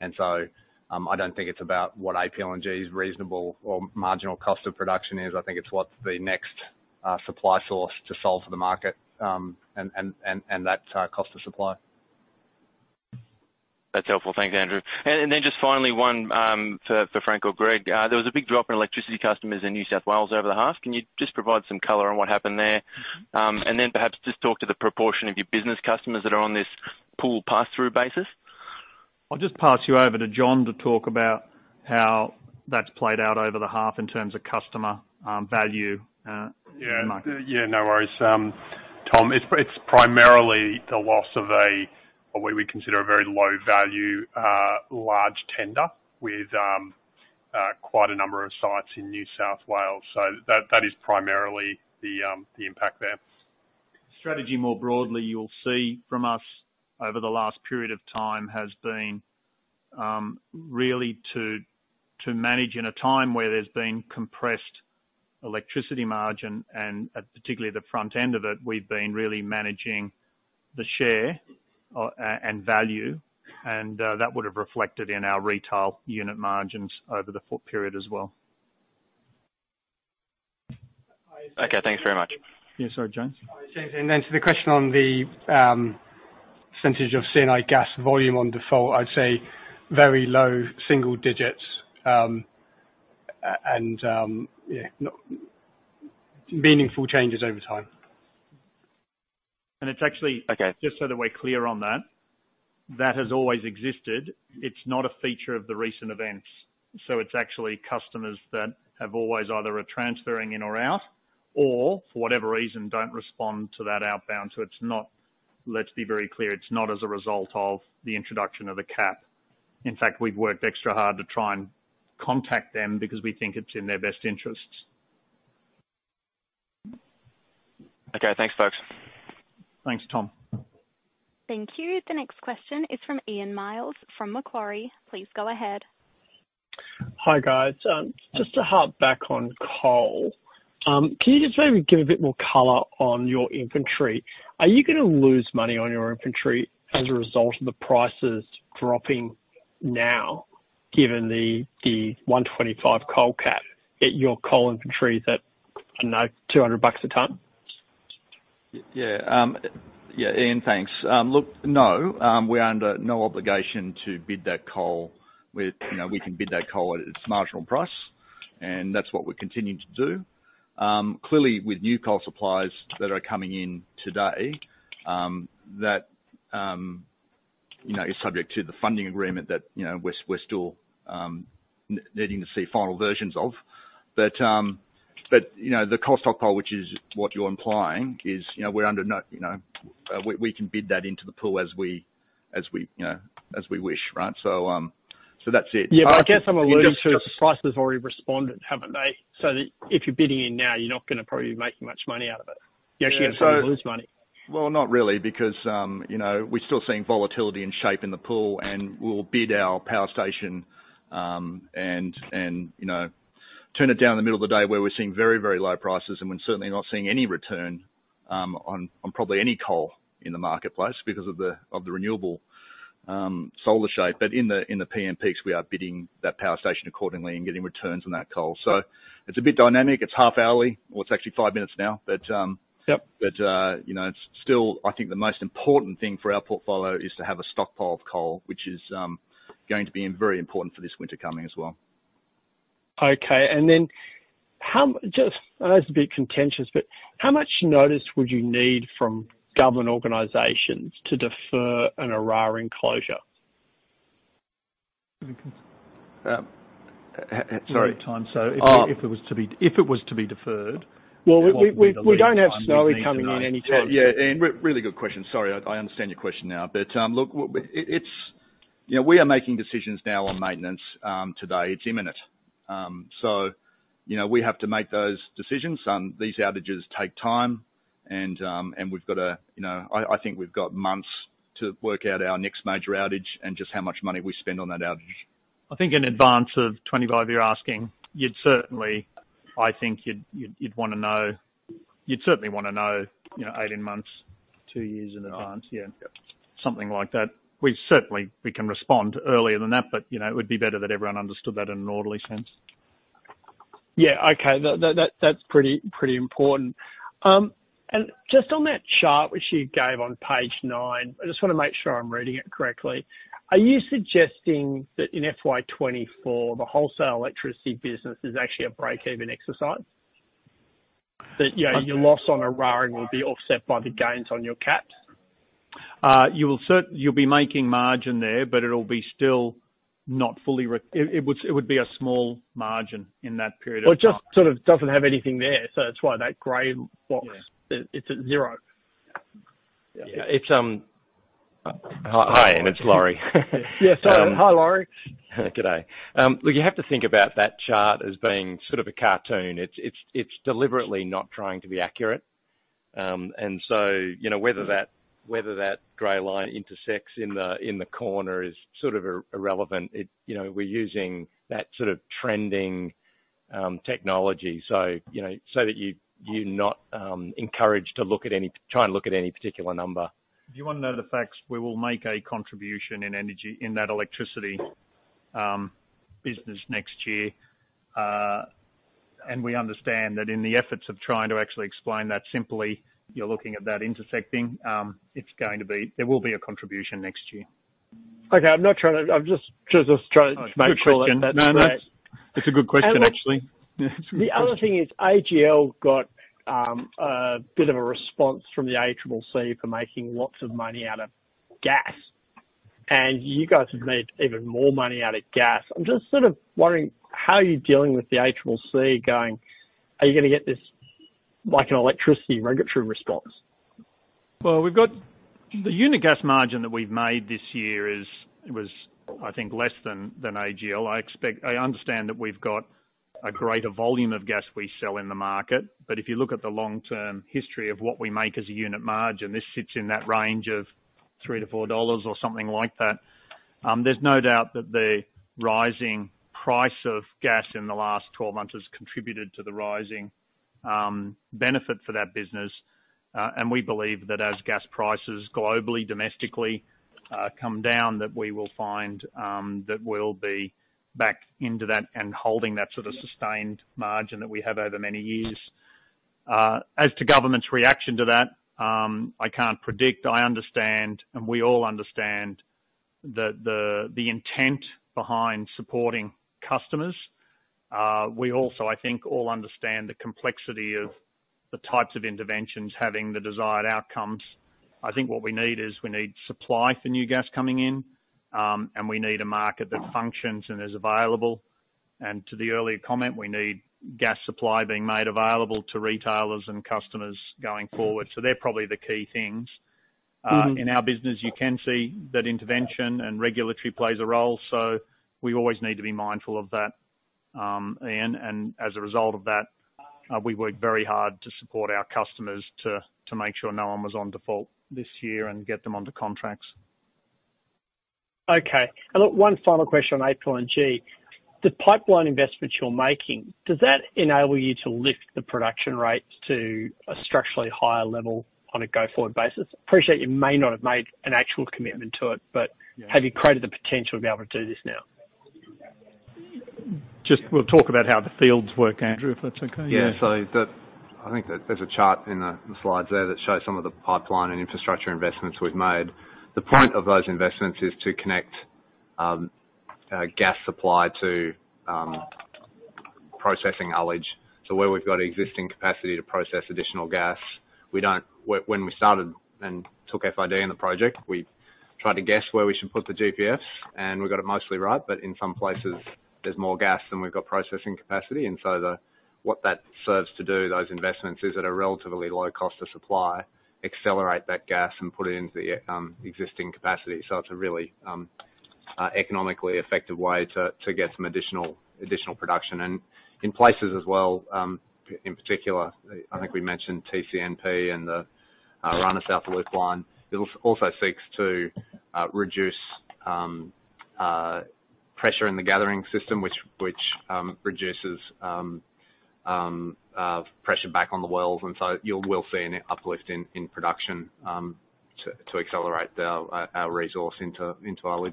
I don't think it's about what APLNG's reasonable or marginal cost of production is. I think it's what's the next supply source to solve for the market, and that cost of supply. That's helpful. Thanks, Andrew. Then just finally one for Frank or Greg. There was a big drop in electricity customers in New South Wales over the half. Can you just provide some color on what happened there? Then perhaps just talk to the proportion of your business customers that are on this pool pass-through basis. I'll just pass you over to Jon to talk about how that's played out over the half in terms of customer, value, in the market. Yeah, yeah, no worries. Tom, it's primarily the loss of a, what we consider a very low-value, large tender with, quite a number of sites in New South Wales. That is primarily the impact there. Strategy more broadly, you'll see from us over the last period of time, has been really to manage in a time where there's been compressed electricity margin and particularly the front end of it, we've been really managing the share, and value, that would have reflected in our Retail unit margins over the full period as well. Okay, thanks very much. Yeah, sorry, James. To the question on the percentage of C&I gas volume on default, I'd say very low single digits. Yeah, no meaningful changes over time. And it's actually- Okay. Just so that we're clear on that has always existed. It's not a feature of the recent events. It's actually customers that have always either are transferring in or out, or for whatever reason, don't respond to that outbound. Let's be very clear, it's not as a result of the introduction of the cap. In fact, we've worked extra hard to try and contact them because we think it's in their best interests. Okay. Thanks, folks. Thanks, Tom. Thank you. The next question is from Ian Myles, from Macquarie. Please go ahead. Hi, guys. Just to harp back on coal, can you just maybe give a bit more color on your inventory? Are you gonna lose money on your inventory as a result of the prices dropping now, given the 125 coal cap at your coal inventory is at, I don't know, 200 bucks a ton? Yeah. Yeah, Ian, thanks. Look, no, we're under no obligation to bid that coal with, you know, we can bid that coal at its marginal price, and that's what we're continuing to do. Clearly, with new coal supplies that are coming in today, that, you know, is subject to the funding agreement that, you know, we're still needing to see final versions of. You know, the cost of coal, which is what you're implying is, you know, we're under no, you know. We can bid that into the pool as we, you know, as we wish, right? That's it. Yeah, I guess I'm alluding to the prices have already responded, haven't they? That if you're bidding in now, you're not gonna probably make much money out of it. You're actually gonna lose money. Well, not really, because, you know, we're still seeing volatility and shape in the pool, and we'll bid our power station, and, you know, turn it down in the middle of the day where we're seeing very, very low prices and we're certainly not seeing any return, on probably any coal in the marketplace because of the renewable solar shape. In the p.m. peaks, we are bidding that power station accordingly and getting returns on that coal. It's a bit dynamic. It's half-hourly, or it's actually five minutes now. Yep. You know, it's still, I think the most important thing for our portfolio is to have a stockpile of coal, which is, going to be very important for this winter coming as well. Okay. Then how... Just, I know this is a bit contentious, but how much notice would you need from government organizations to defer an Eraring closure? Sorry. Over time, if it was to be deferred- Well, we don't have Snowy coming in any time. Yeah, yeah. Really good question. Sorry, I understand your question now. Look, you know, we are making decisions now on maintenance, today, it's imminent. You know, we have to make those decisions. These outages take time and we've got to, you know, I think we've got months to work out our next major outage and just how much money we spend on that outage. I think in advance of 2025, you're asking, you'd certainly, I think you'd wanna know. You'd certainly wanna know, you know, 18 months, two years in advance. Yeah. Yeah. Something like that. We certainly, we can respond earlier than that, but you know, it would be better that everyone understood that in an orderly sense. Yeah. Okay. That's pretty important. Just on that chart which you gave on page nine, I just wanna make sure I'm reading it correctly. Are you suggesting that in FY 2024, the wholesale electricity business is actually a break-even exercise? That, you know, your loss on Eraring will be offset by the gains on your cap? You'll be making margin there, but it'll be still not fully. It would be a small margin in that period of time. It just sort of doesn't have anything there. That's why that gray box. It's at zero. Yeah. Hi, Ian. It's Lawrie. Yeah. Sorry. Hi, Lawrie. G'day. Look, you have to think about that chart as being sort of a cartoon. It's deliberately not trying to be accurate. You know, whether that gray line intersects in the, in the corner is sort of irrelevant. It, you know, we're using that sort of trending technology. You know, so that you're not encouraged to look at any particular number. If you wanna know the facts, we will make a contribution in energy in that electricity business next year. We understand that in the efforts of trying to actually explain that simply, you're looking at that intersecting. There will be a contribution next year. Okay. I'm not trying to... I'm just trying to make sure. Good question. No, no. It's a good question, actually. The other thing is AGL got a bit of a response from the ACCC for making lots of money out of gas. You guys have made even more money out of gas. I'm just sort of wondering how you're dealing with the HLC going, are you gonna get this like an electricity regulatory response? Well, we've got the unit gas margin that we've made this year was, I think, less than AGL. I understand that we've got a greater volume of gas we sell in the market, if you look at the long-term history of what we make as a unit margin, this sits in that range of 3-4 dollars or something like that. There's no doubt that the rising price of gas in the last 12 months has contributed to the rising benefit for that business. We believe that as gas prices globally, domestically, come down, that we will find that we'll be back into that and holding that sort of sustained margin that we have over many years. As to government's reaction to that, I can't predict. I understand, and we all understand the intent behind supporting customers. We also, I think, all understand the complexity of the types of interventions having the desired outcomes. I think what we need is we need supply for new gas coming in, and we need a market that functions and is available. To the earlier comment, we need gas supply being made available to Retailers and customers going forward. They're probably the key things. In our business, you can see that intervention and regulatory plays a role. We always need to be mindful of that. As a result of that, we worked very hard to support our customers to make sure no one was on default this year and get them onto contracts. Okay. Look, one final question on APLNG. The pipeline investments you're making, does that enable you to lift the production rates to a structurally higher level on a go-forward basis? Appreciate you may not have made an actual commitment to it- Yeah. Have you created the potential to be able to do this now? Just we'll talk about how the fields work, Andrew, if that's okay. Yeah. I think that there's a chart in the slides there that shows some of the pipeline and infrastructure investments we've made. The point of those investments is to connect gas supply to processing alley to where we've got existing capacity to process additional gas. When we started and took FID in the project, we tried to guess where we should put the GPS, and we got it mostly right, but in some places, there's more gas than we've got processing capacity. What that serves to do, those investments, is at a relatively low cost of supply, accelerate that gas and put it into the existing capacity. It's a really economically effective way to get some additional production. In places as well, in particular, I think we mentioned TCNP and the Runner South Loop line. It also seeks to reduce pressure in the gathering system, which reduces pressure back on the wells. You will see an uplift in production, to accelerate the resource into our alley.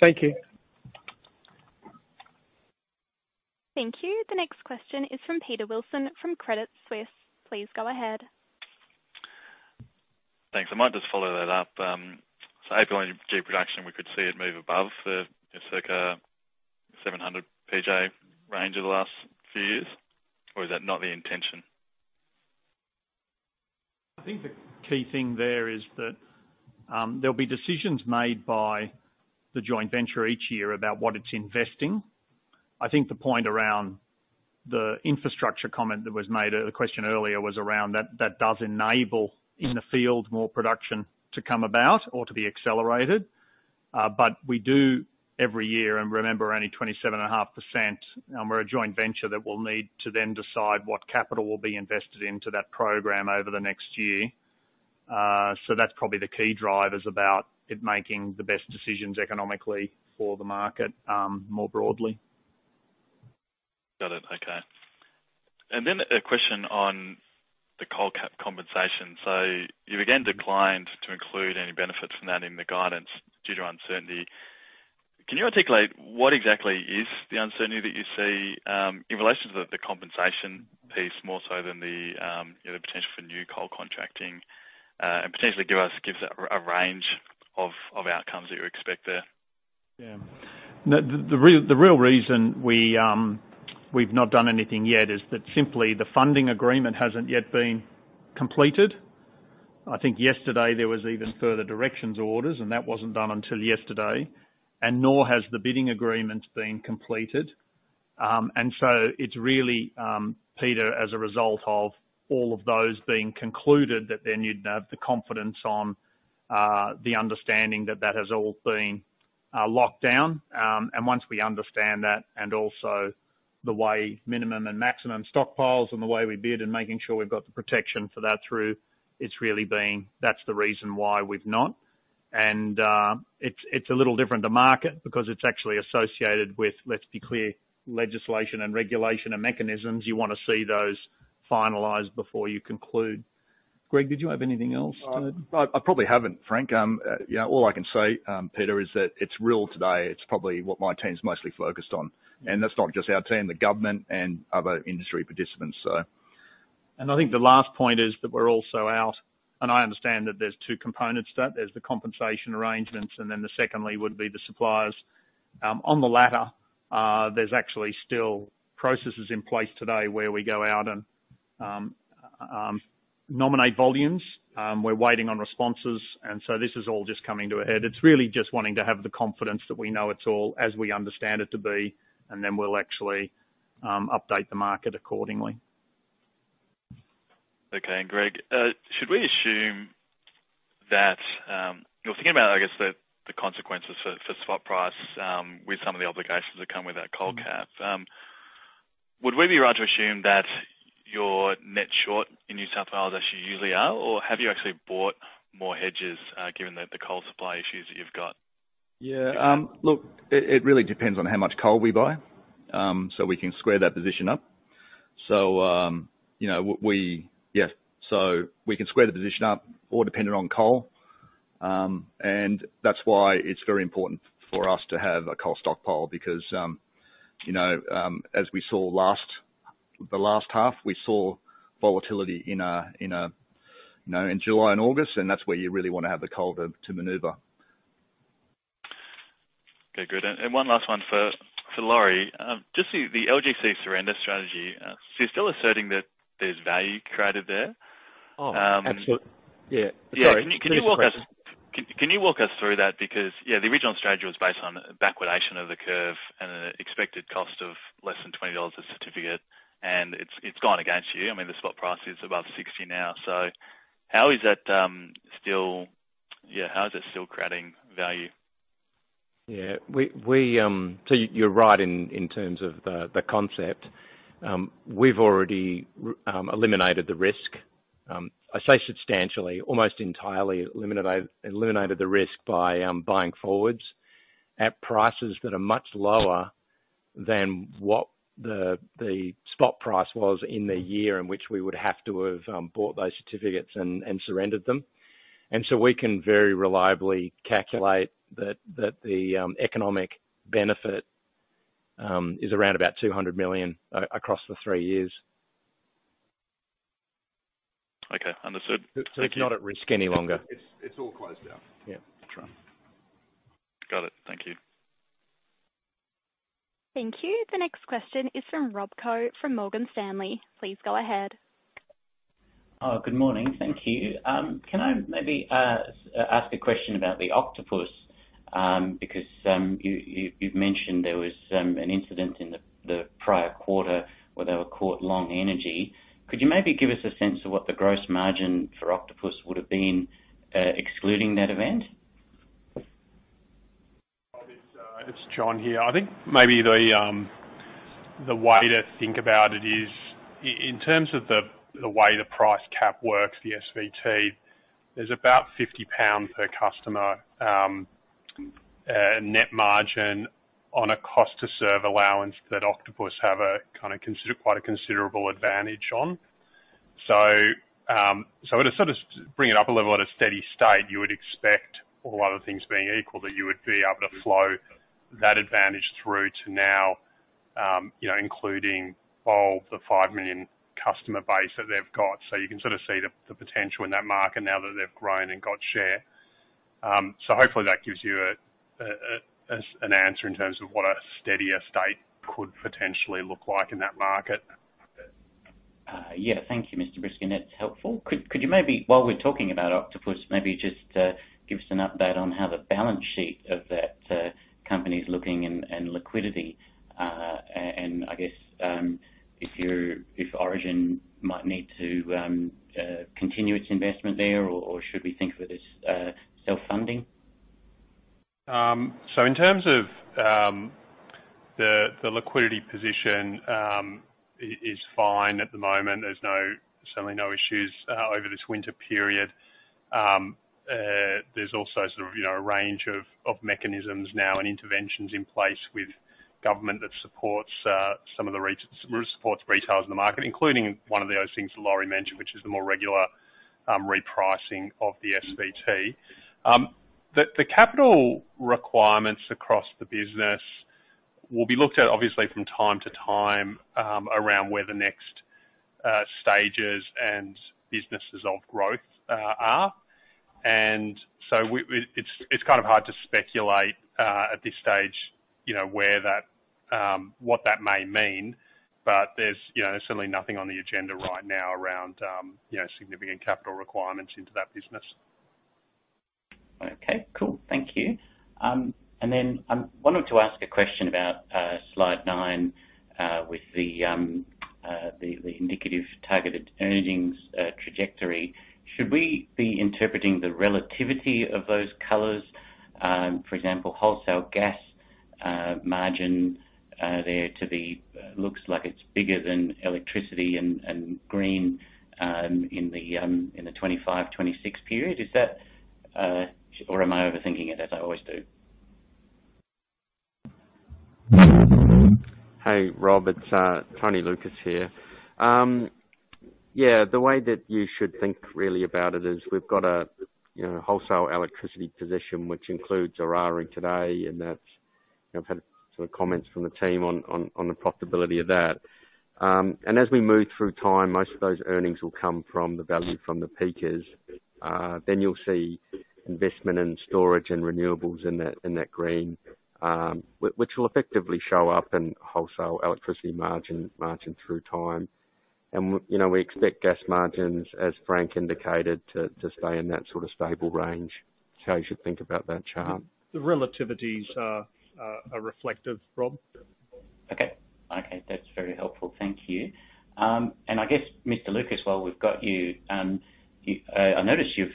Thank you. Thank you. The next question is from Peter Wilson from Credit Suisse. Please go ahead. Thanks. I might just follow that up. APLNG production, we could see it move above the circa 700 PJ range of the last few years? Or is that not the intention? I think the key thing there is that, there'll be decisions made by the joint venture each year about what it's investing. I think the point around the infrastructure comment that was made, the question earlier was around that does enable in the field more production to come about or to be accelerated. We do every year, and remember, only 27.5%, and we're a joint venture that will need to then decide what capital will be invested into that program over the next year. That's probably the key drivers about it making the best decisions economically for the market, more broadly. Got it. Okay. A question on the coal cap compensation. You again declined to include any benefits from that in the guidance due to uncertainty. Can you articulate what exactly is the uncertainty that you see in relation to the compensation piece, more so than the, you know, potential for new coal contracting, and potentially give us a range of outcomes that you expect there? Yeah. The real reason we've not done anything yet is that simply the funding agreement hasn't yet been completed. I think yesterday there was even further directions orders, and that wasn't done until yesterday, and nor has the bidding agreement been completed. It's really, Peter, as a result of all of those being concluded that then you'd have the confidence on the understanding that that has all been locked down. Once we understand that and also the way minimum and maximum stockpiles and the way we bid and making sure we've got the protection for that through, it's really been that's the reason why we've not. It's a little different to market because it's actually associated with, let's be clear, legislation and regulation and mechanisms. You wanna see those finalized before you conclude. Greg, did you have anything else to add? I probably haven't, Frank. you know, all I can say, Peter, is that it's real today. It's probably what my team's mostly focused on. That's not just our team, the government and other industry participants. I think the last point is that we're also out, and I understand that there's two components to that. There's the compensation arrangements, and then the secondly would be the suppliers. On the latter, there's actually still processes in place today where we go out and nominate volumes. We're waiting on responses. This is all just coming to a head. It's really just wanting to have the confidence that we know it all as we understand it to be, and then we'll actually update the market accordingly. Okay. Greg, should we assume that you know, thinking about, I guess the consequences for spot price, with some of the obligations that come with that coal cap, would we be right to assume that your net short in New South Wales, as you usually are, or have you actually bought more hedges, given the coal supply issues that you've got? Yeah. Look, it really depends on how much coal we buy, we can square that position up. You know, yeah, so we can square the position up or dependent on coal. That's why it's very important for us to have a coal stockpile because, you know, as we saw the last half, we saw volatility, you know, in July and August, that's where you really wanna have the coal to maneuver. Okay, good. One last one for Lawrie. just the LGC surrender strategy, so you're still asserting that there's value created there? Yeah. Sorry. Please express. Can you walk us through that? Because, the original strategy was based on backwardation of the curve and an expected cost of less than 20 dollars a certificate, and it's gone against you. I mean, the spot price is above 60 now. How is that, still, how is it still creating value? Yeah. We. You're right in terms of the concept. We've already eliminated the risk. I say substantially, almost entirely eliminated the risk by buying forwards at prices that are much lower than what the spot price was in the year in which we would have to have bought those certificates and surrendered them. We can very reliably calculate that the economic benefit is around about 200 million across the three years. Okay, understood. Thank you. It's not at risk any longer. It's all closed down. Yeah, that's right. Got it. Thank you. Thank you. The next question is from Rob Koh from Morgan Stanley. Please go ahead. Good morning. Thank thank you. Can I maybe ask a question about the Octopus? Because you've mentioned there was an incident in the prior quarter where they were caught long energy. Could you maybe give us a sense of what the gross margin for Octopus would have been excluding that event? Rob, it's Jon here. I think maybe the way to think about it is in terms of the way the price cap works, the SVT, there's about 50 pounds per customer net margin on a cost to serve allowance that Octopus have a kinda quite a considerable advantage on. To sort of bring it up a level, at a steady state, you would expect a lot of things being equal, that you would be able to flow that advantage through to now, you know, including all the five million customer base that they've got. You can sort of see the potential in that market now that they've grown and got share. Hopefully that gives you an answer in terms of what a steadier state could potentially look like in that market. Yeah. Thank you, Mr. Briskin, that's helpful. Could you maybe, while we're talking about Octopus, maybe just give us an update on how the balance sheet of that company is looking and liquidity? I guess, if Origin might need to continue its investment there or should we think of it as self-funding? So in terms of the liquidity position is fine at the moment. There's no, certainly no issues over this winter period. There's also sort of, you know, a range of mechanisms now and interventions in place with government that supports retailers in the market, including one of those things that Lawrie mentioned, which is the more regular repricing of the SVT. The capital requirements across the business will be looked at obviously from time to time around where the next stages and businesses of growth are. It's kind of hard to speculate at this stage, you know, where that what that may mean. There's, you know, certainly nothing on the agenda right now around, you know, significant capital requirements into that business. Okay, cool. Thank you. I'm wanting to ask a question about slide nine with the the indicative targeted earnings trajectory. Should we be interpreting the relativity of those colors? For example, wholesale gas margin there to be looks like it's bigger than electricity and green in the 2025–2026 period. Is that? Or am I overthinking it as I always do? Hey, Rob, it's Tony Lucas here. Yeah, the way that you should think really about it is we've got a, you know, wholesale electricity position, which includes Eraring today, and that's, you know, I've had sort of comments from the team on the profitability of that. As we move through time, most of those earnings will come from the value from the peakers... You'll see investment in storage and renewables in that green, which will effectively show up in wholesale electricity margin through time. You know, we expect gas margins, as Frank indicated, to stay in that sort of stable range. That's how you should think about that chart. The relativities are reflective, Rob. Okay. Okay, that's very helpful. Thank you. I guess, Mr. Lucas, while we've got you, I noticed you've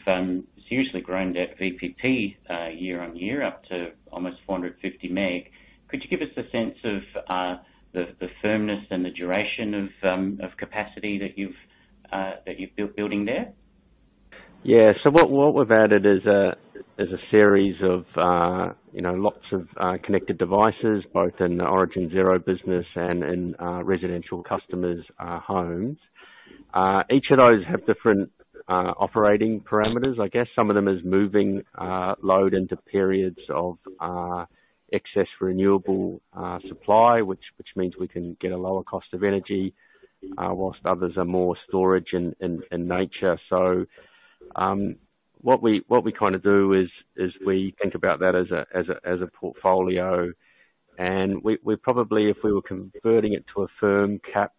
seriously grown that VPP year-on-year up to almost 450 MW. Could you give us a sense of the firmness and the duration of capacity that you've building there? Yeah. What we've added is a series of, you know, lots of connected devices, both in the Origin Zero business and in residential customers' homes. Each of those have different operating parameters. I guess some of them is moving load into periods of excess renewable supply, which means we can get a lower cost of energy, whilst others are more storage in nature. What we kinda do is we think about that as a portfolio, and we probably if we were converting it to a firm cap,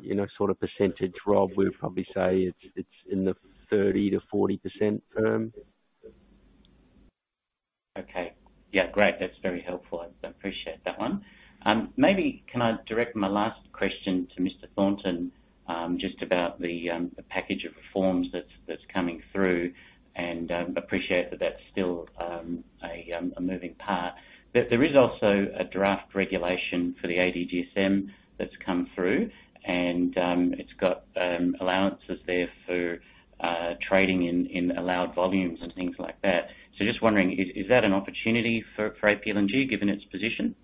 you know, sort of percentage, Rob, we'd probably say it's in the 30%-40% firm. Okay. Yeah, great. That's very helpful. I appreciate that one. Maybe can I direct my last question to Mr. Thornton, just about the package of reforms that's coming through, and appreciate that that's still a moving part. There is also a draft regulation for the ADGSM that's come through, and it's got allowances there for trading in allowed volumes and things like that. Just wondering, is that an opportunity for APLNG, given its position?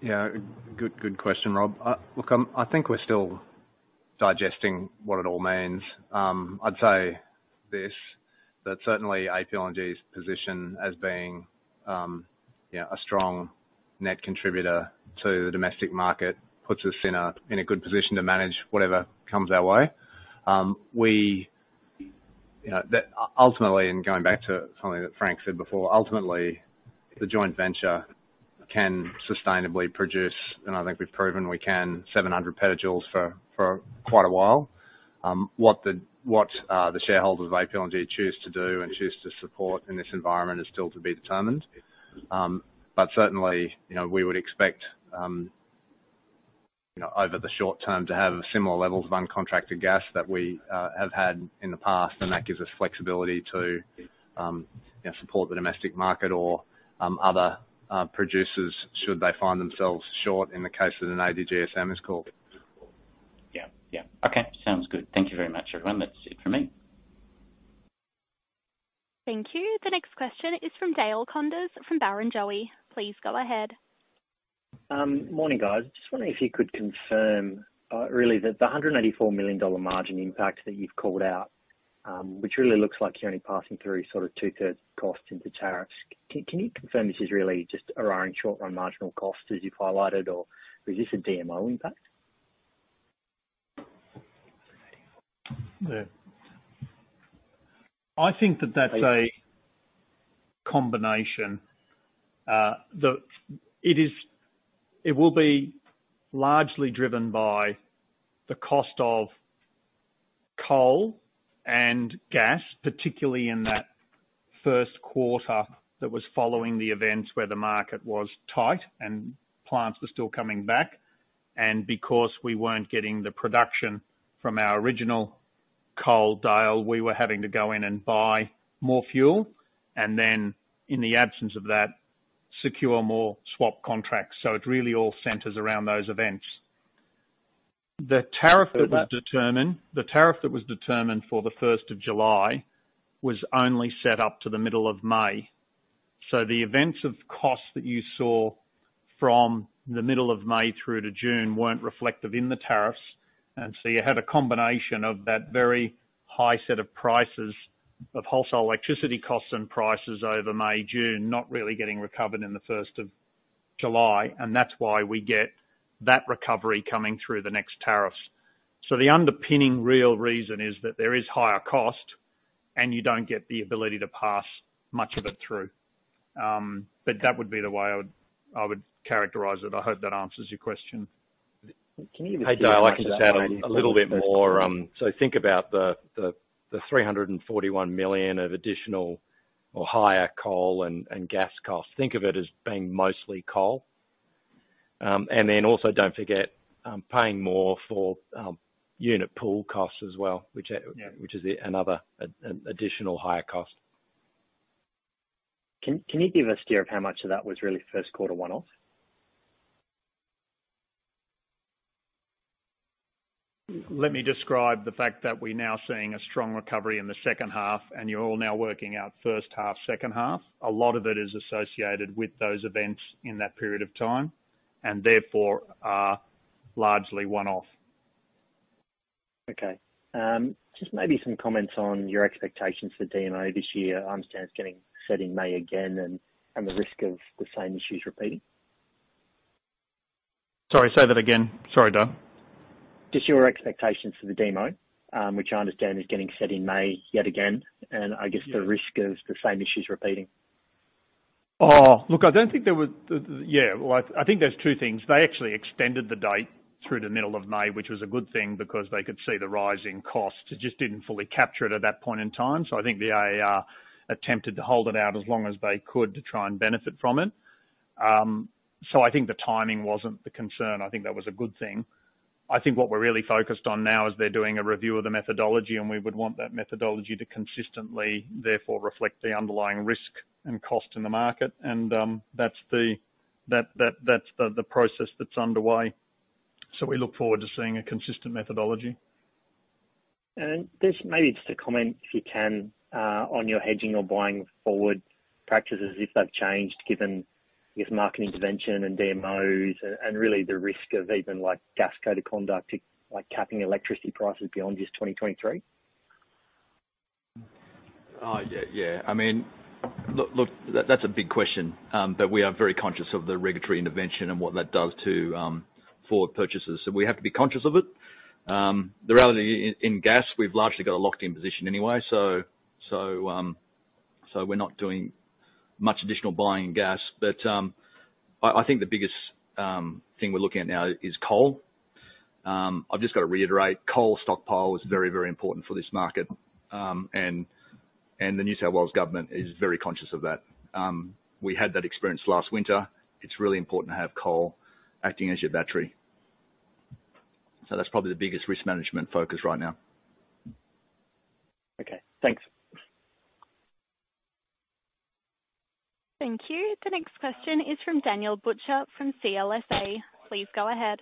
Yeah. Good, good question, Rob. look, I think we're still digesting what it all means. I'd say this, that certainly APLNG's position as being, you know, a strong net contributor to the domestic market puts us in a good position to manage whatever comes our way. we, you know, ultimately, and going back to something that Frank said before, ultimately, the joint venture can sustainably produce, and I think we've proven we can, 700 petajoules for quite a while. what the shareholders of APLNG choose to do and choose to support in this environment is still to be determined. Certainly, you know, we would expect, you know, over the short term to have similar levels of uncontracted gas that we have had in the past, and that gives us flexibility to, you know, support the domestic market or other producers should they find themselves short in the case that an ADGSM is called. Yeah. Yeah. Okay, sounds good. Thank you very much, everyone. That's it from me. Thank you. The next question is from Dale Koenders from Barrenjoey. Please go ahead. Morning, guys. Just wondering if you could confirm, really the 184 million dollar margin impact that you've called out, which really looks like you're only passing through sort of two-thirds costs into tariffs. Can you confirm this is really just Auroran short-run marginal cost as you've highlighted, or is this a DMO impact? Yeah. I think that's a combination. It will be largely driven by the cost of coal and gas, particularly in that first quarter that was following the events where the market was tight and plants were still coming back. Because we weren't getting the production from our original coal deal, we were having to go in and buy more fuel, and then in the absence of that, secure more swap contracts. It really all centers around those events. The tariff that was determined. So that- The tariff that was determined for the 1st of July was only set up to the middle of May. The events of costs that you saw from the middle of May through to June weren't reflective in the tariffs, and so you had a combination of that very high set of prices of wholesale electricity costs and prices over May-June, not really getting recovered in the 1st of July. That's why we get that recovery coming through the next tariffs. The underpinning real reason is that there is higher cost, and you don't get the ability to pass much of it through. That would be the way I would characterize it. I hope that answers your question. Hey, Dale, I'll just add a little bit more on. Think about the 341 million of additional or higher coal and gas costs. Think of it as being mostly coal. Also don't forget, paying more for unit pool costs as well. Yeah. Which is another an additional higher cost. Can you give us a steer of how much of that was really first quarter one-off? Let me describe the fact that we're now seeing a strong recovery in the second half, and you're all now working out first half, second half. A lot of it is associated with those events in that period of time, and therefore are largely one-off. Okay. Just maybe some comments on your expectations for DMO this year. I understand it's getting set in May again and the risk of the same issues repeating. Sorry, say that again. Sorry, Dale. Just your expectations for the DMO, which I understand is getting set in May yet again. I guess the risk of the same issues repeating. Oh, look, I don't think there was yeah. Well, I think there's two things. They actually extended the date through to middle of May, which was a good thing because they could see the rising costs. They just didn't fully capture it at that point in time. I think the AER attempted to hold it out as long as they could to try and benefit from it. I think the timing wasn't the concern. I think that was a good thing. I think what we're really focused on now is they're doing a review of the methodology, we would want that methodology to consistently, therefore, reflect the underlying risk and cost in the market and, that's the process that's underway. We look forward to seeing a consistent methodology. Just maybe just a comment, if you can, on your hedging or buying forward practices, if they've changed given, I guess, market intervention and DMOs and, really the risk of even, like, gas code of conduct, like, capping electricity prices beyond just 2023? Yeah, yeah. I mean, look, that's a big question, we are very conscious of the regulatory intervention and what that does to forward purchases. We have to be conscious of it. The reality in gas, we've largely got a locked-in position anyway. We're not doing much additional buying in gas. I think the biggest thing we're looking at now is coal. I've just got to reiterate, coal stockpile is very important for this market, and the New South Wales government is very conscious of that. We had that experience last winter. It's really important to have coal acting as your battery. That's probably the biggest risk management focus right now. Okay. Thanks. Thank you. The next question is from Daniel Butcher from CLSA. Please go ahead.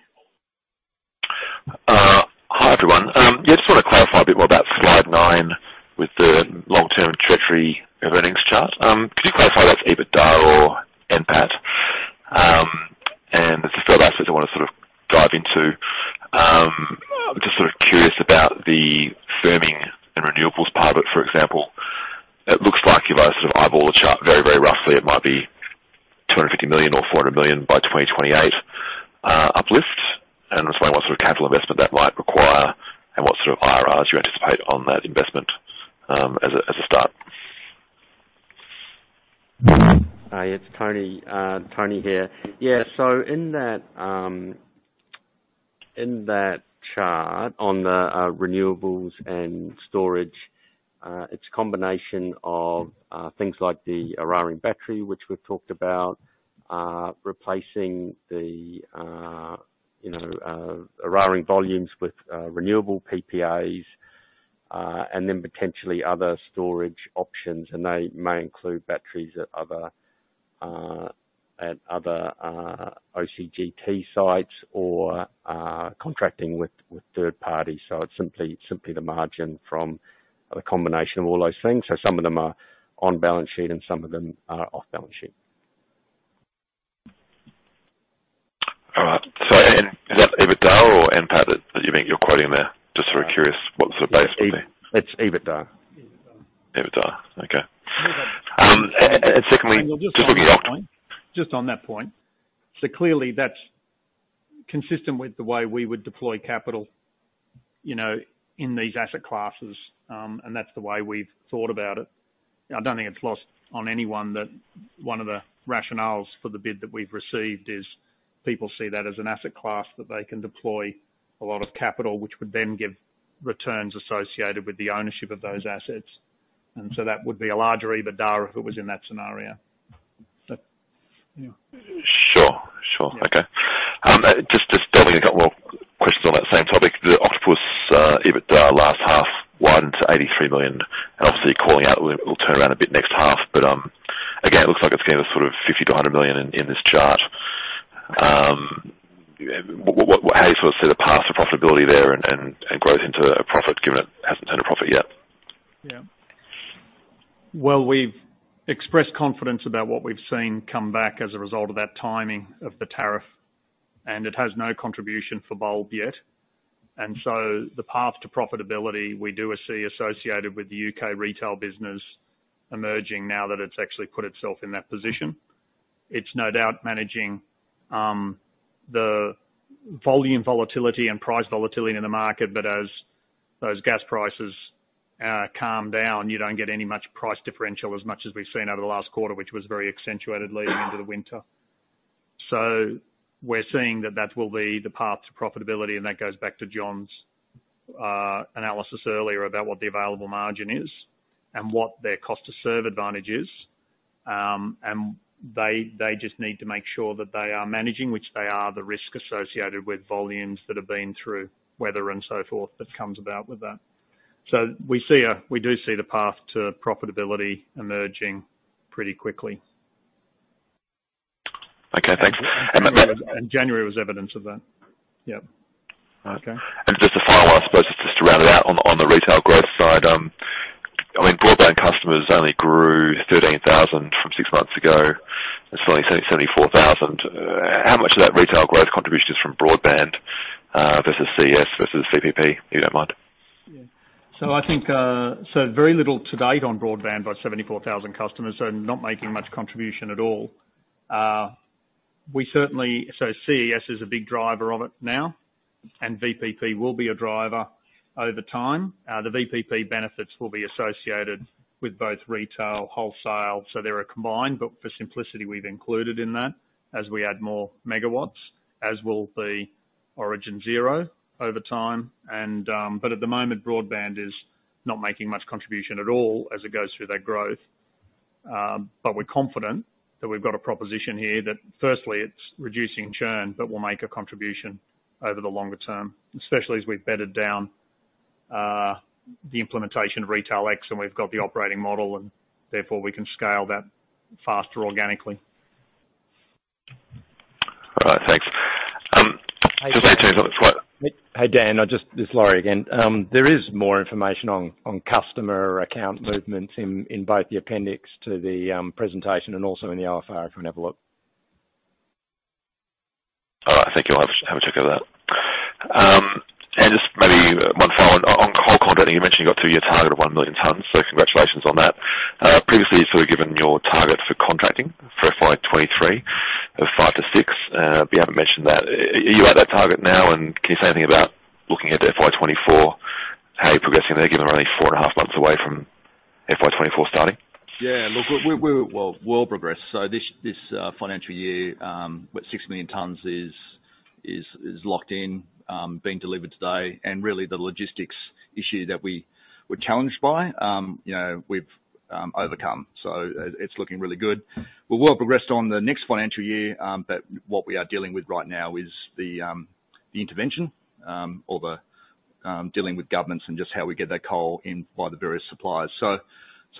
Hi, everyone. Yeah, just want to clarify a bit more about slide nine with the long-term treasury earnings chart. Could you clarify what's EBITDA or NPAT? There's a couple aspects I wanna sort of dive into. I'm just sort of curious about the firming and renewables part of it, for example. It looks like if I sort of eyeball the chart very, very roughly, it might be 250 million or 400 million by 2028 uplift. I'm just wondering what sort of capital investment that might require and what sort of IRRs you anticipate on that investment as a start. It's Tony. Tony here. In that, in that chart on the renewables and storage, it's a combination of things like the Eraring battery, which we've talked about, replacing the Eraring volumes with renewable PPAs, and then potentially other storage options, and they may include batteries at other, at other OCGT sites or contracting with third parties. It's simply the margin from the combination of all those things. Some of them are on balance sheet and some of them are off balance sheet. All right. Is that EBITDA or NPAT that you think you're quoting there? Just sort of curious what's the base would be. It's EBITDA. EBITDA. EBITDA. Okay. Secondly, just looking. Just on that point. Clearly that's consistent with the way we would deploy capital, you know, in these asset classes, and that's the way we've thought about it. I don't think it's lost on anyone that one of the rationales for the bid that we've received is people see that as an asset class that they can deploy a lot of capital, which would then give returns associated with the ownership of those assets. That would be a larger EBITDA if it was in that scenario. You know. Sure. Sure. Okay. Just building on, got more questions on that same topic. The Octopus EBITDA last half was 83 million. Obviously you're calling out it will turn around a bit next half. Again, it looks like it's giving us sort of 50 million-100 million in this chart. What how do you sort of see the path to profitability there and growth into a profit given it hasn't turned a profit yet? Well, we've expressed confidence about what we've seen come back as a result of that timing of the tariff, and it has no contribution for Bulb yet. The path to profitability, we do see associated with the U.K. Retail business emerging now that it's actually put itself in that position. It's no doubt managing the volume volatility and price volatility in the market. As those gas prices calm down, you don't get any much price differential as much as we've seen over the last quarter, which was very accentuated leading into the winter. We're seeing that that will be the path to profitability, and that goes back to Jon's analysis earlier about what the available margin is and what their cost to serve advantage is. They just need to make sure that they are managing, which they are, the risk associated with volumes that have been through weather and so forth that comes about with that. We do see the path to profitability emerging pretty quickly. Okay. Thanks. January was evidence of that. Yep. Okay. Just a final one, I suppose, just to round it out on the Retail growth, from 38,000 thousand from six months ago, it's only 74,000. How much of that Retail growth contribution is from broadband, versus CES versus VPP, if you don't mind? Very little to date on broadband by 74,000 customers, so not making much contribution at all. CES is a big driver of it now, and VPP will be a driver over time. The VPP benefits will be associated with both Retail, wholesale, so they are combined. For simplicity, we've included in that as we add more MW, as will Origin Zero over time. But at the moment, broadband is not making much contribution at all as it goes through that growth. We're confident that we've got a proposition here that firstly, it's reducing churn, but will make a contribution over the longer term, especially as we've bedded down, the implementation of Retail X, and we've got the operating model, and therefore we can scale that faster organically. All right, thanks. Hey, Dan. on the slide. Hey, Dan, It's Lawrie again. There is more information on customer account movements in both the appendix to the presentation and also in the OFR, if you wanna have a look. All right. Thank you. I'll have a check of that. Just maybe one follow on coal contracting. You mentioned you got two-year target of one million tons, so congratulations on that. Previously, you'd sort of given your target for contracting for FY 2023 of 5 million-6 million tons. You haven't mentioned that. Are you at that target now, and can you say anything about looking at FY 2024, how you're progressing there, given we're only four and a half months away from FY 2024 starting? Yeah. Look, we're well progressed. This financial year, with six million tonnes is locked in, being delivered today. Really the logistics issue that we were challenged by, you know, we've overcome, it's looking really good. We're well progressed on the next financial year, what we are dealing with right now is the intervention, or the dealing with governments and just how we get that coal in by the various suppliers.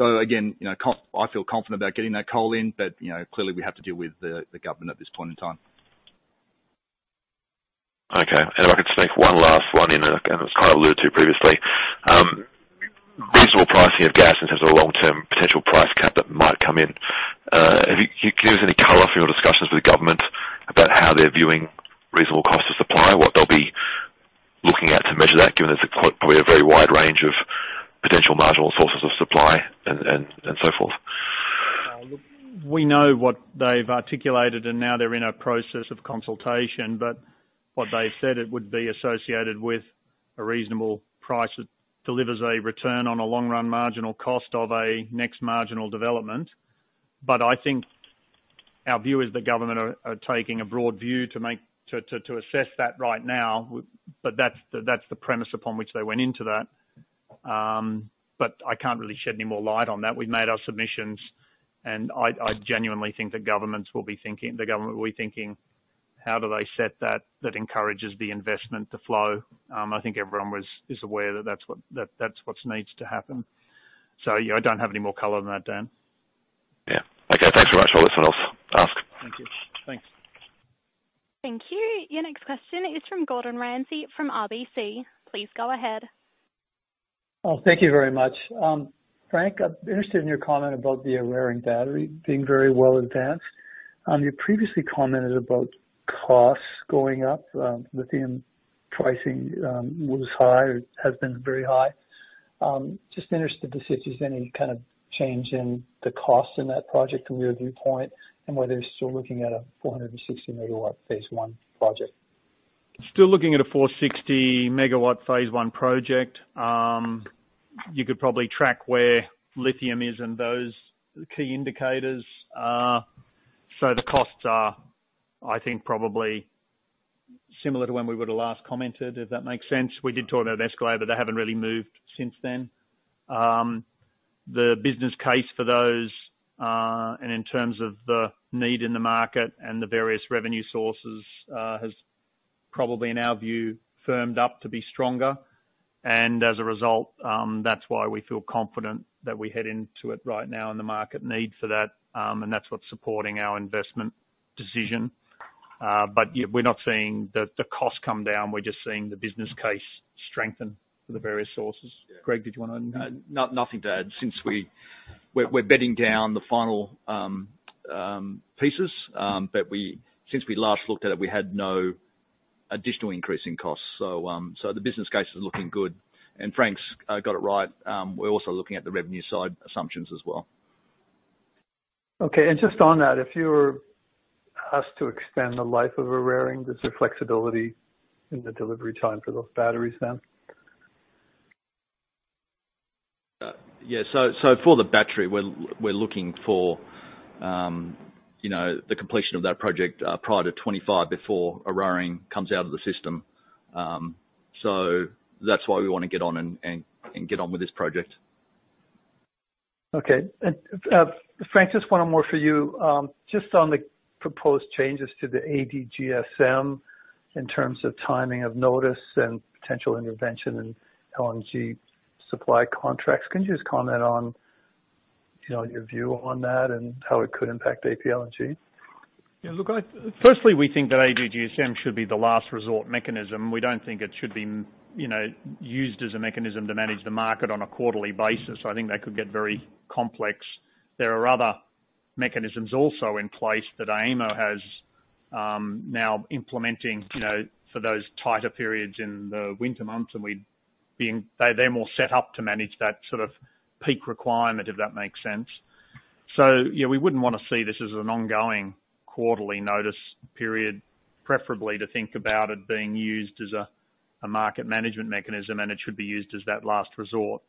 Again, you know, I feel confident about getting that coal in, clearly we have to deal with the government at this point in time. Okay. If I could sneak one last one in, and it was kind of alluded to previously. Reasonable pricing of gas in terms of a long-term potential price cap that might come in. Can you give us any color from your discussions with the government about how they're viewing reasonable cost of supply, what they'll be looking at to measure that, given there's a probably a very wide range of potential marginal sources of supply and so forth? Look, we know what they've articulated, and now they're in a process of consultation. What they've said, it would be associated with a reasonable price that delivers a return on a long-run marginal cost of a next marginal development. I think our view is the government are taking a broad view to assess that right now. That's the, that's the premise upon which they went into that. I can't really shed any more light on that. We've made our submissions, and I genuinely think the government will be thinking how do they set that encourages the investment to flow. I think everyone was, is aware that that's what, that's what needs to happen. You know, I don't have any more color than that, Dan. Yeah. Okay, thanks very much. I'll listen off ask. Thank you. Thanks. Thank you. Your next question is from Gordon Ramsay from RBC. Please go ahead. Thank you very much. Frank, I'm interested in your comment about the Eraring battery being very well advanced. You previously commented about costs going up, within pricing, was high or has been very high. Just interested if there's any kind of change in the cost in that project from your viewpoint and whether you're still looking at a 460 MW Phase 1 project? Still looking at a 460 MW Phase 1 project. You could probably track where lithium is and those key indicators are. The costs are, I think, probably similar to when we would've last commented, if that makes sense. We did talk about escalate, but they haven't really moved since then. The business case for those, and in terms of the need in the market and the various revenue sources, has probably, in our view, firmed up to be stronger. As a result, that's why we feel confident that we head into it right now and the market need for that, and that's what's supporting our investment decision. Yeah, we're not seeing the cost come down. We're just seeing the business case strengthen for the various sources. Yeah. Greg, did you wanna? No, nothing to add. Since we're bedding down the final pieces. Since we last looked at it, we had no additional increase in costs. The business case is looking good. Frank's got it right. We're also looking at the revenue side assumptions as well. Okay. Just on that, if you were asked to extend the life of Eraring, is there flexibility in the delivery time for those batteries then? Yeah. For the battery, we're looking for, you know, the completion of that project, prior to 25 before Eraring comes out of the system. That's why we wanna get on and get on with this project. Okay. Frank, just one more for you. Just on the proposed changes to the ADGSM in terms of timing of notice and potential intervention in LNG supply contracts, can you just comment on, you know, your view on that and how it could impact APLNG? Yeah, look, I, firstly, we think that ADGSM should be the last resort mechanism. We don't think it should be, you know, used as a mechanism to manage the market on a quarterly basis. I think that could get very complex. There are other mechanisms also in place that AEMO has now implementing, you know, for those tighter periods in the winter months, they're more set up to manage that sort of peak requirement, if that makes sense. You know, we wouldn't wanna see this as an ongoing quarterly notice period, preferably to think about it being used as a market management mechanism, and it should be used as that last resort.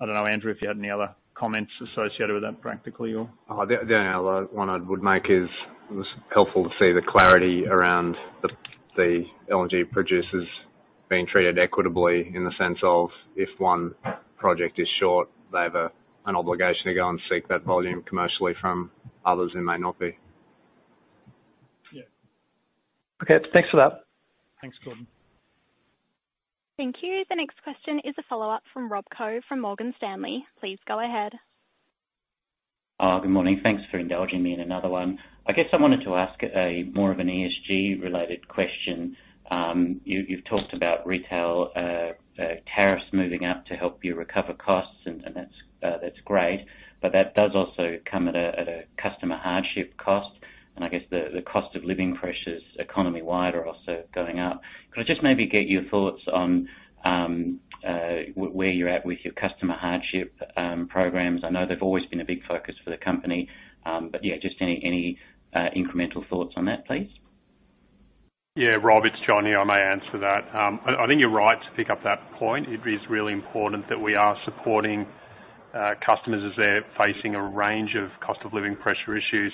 I don't know, Andrew, if you had any other comments associated with that practically or? The only one I would make is it was helpful to see the clarity around the LNG producers being treated equitably in the sense of if one project is short, they have an obligation to go and seek that volume commercially from others who may not be. Yeah. Okay. Thanks for that. Thanks, Gordon. Thank you. The next question is a follow-up from Rob Koh from Morgan Stanley. Please go ahead. Good morning. Thanks for indulging me in another one. I guess I wanted to ask a more of an ESG-related question. You've talked about Retail tariffs moving up to help you recover costs, and that's great. But that does also come at a customer hardship cost. I guess the cost of living pressures economy-wide are also going up. Could I just maybe get your thoughts on where you're at with your customer hardship programs? I know they've always been a big focus for the company, but yeah, just any incremental thoughts on that, please. Yeah. Rob, it's Jon here. I may answer that. I think you're right to pick up that point. It is really important that we are supporting customers as they're facing a range of cost of living pressure issues.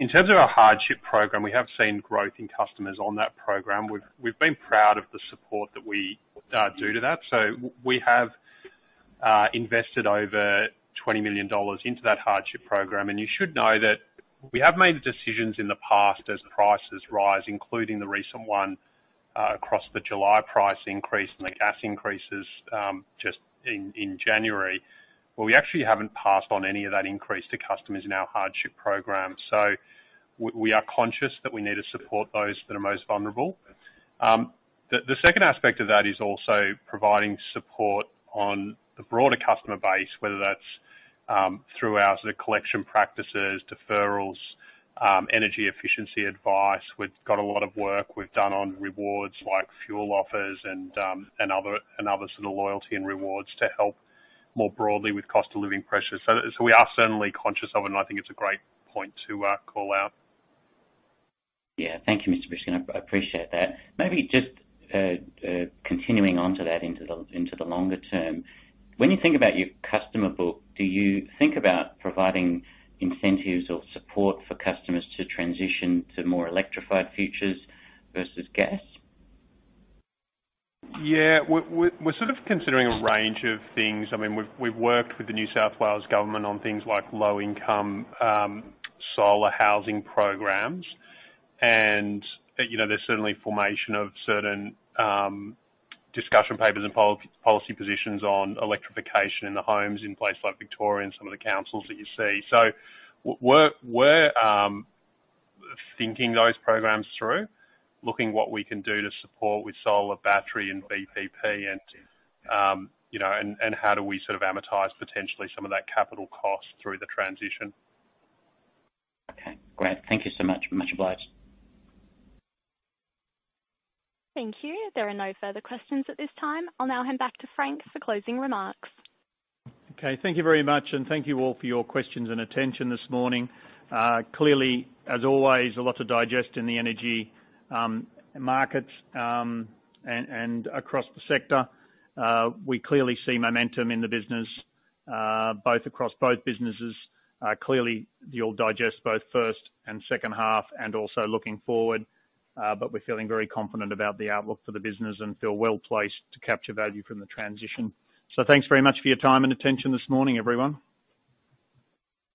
In terms of our hardship program, we have seen growth in customers on that program. We've been proud of the support that we do to that. We have invested over 20 million dollars into that hardship program. You should know that we have made the decisions in the past as prices rise, including the recent one across the July price increase and the gas increases just in January, where we actually haven't passed on any of that increase to customers in our hardship program. We are conscious that we need to support those that are most vulnerable. The second aspect of that is also providing support on the broader customer base, whether that's through our sort of collection practices, deferrals, energy efficiency advice. We've got a lot of work we've done on rewards like fuel offers and other sort of loyalty and rewards to help more broadly with cost of living pressures. We are certainly conscious of, and I think it's a great point to call out. Yeah. Thank you, Mr. Briskin. I appreciate that. Maybe just continuing on to that into the longer term. When you think about your customer book, do you think about providing incentives or support for customers to transition to more electrified futures versus gas? Yeah. We're sort of considering a range of things. I mean, we've worked with the New South Wales government on things like low-income solar housing programs. You know, there's certainly formation of certain discussion papers and policy positions on electrification in the homes in places like Victoria and some of the councils that you see. We're thinking those programs through, looking what we can do to support with solar battery and VPP and, you know, and how do we sort of amortize potentially some of that capital cost through the transition. Okay, great. Thank you so much. Much obliged. Thank you. There are no further questions at this time. I'll now hand back to Frank for closing remarks. Okay, thank you very much, and thank you all for your questions and attention this morning. Clearly, as always, a lot to digest in the Energy Markets, and across the sector. We clearly see momentum in the business, both across both businesses. Clearly, you'll digest both first and second half and also looking forward. We're feeling very confident about the outlook for the business and feel well-placed to capture value from the transition. Thanks very much for your time and attention this morning, everyone.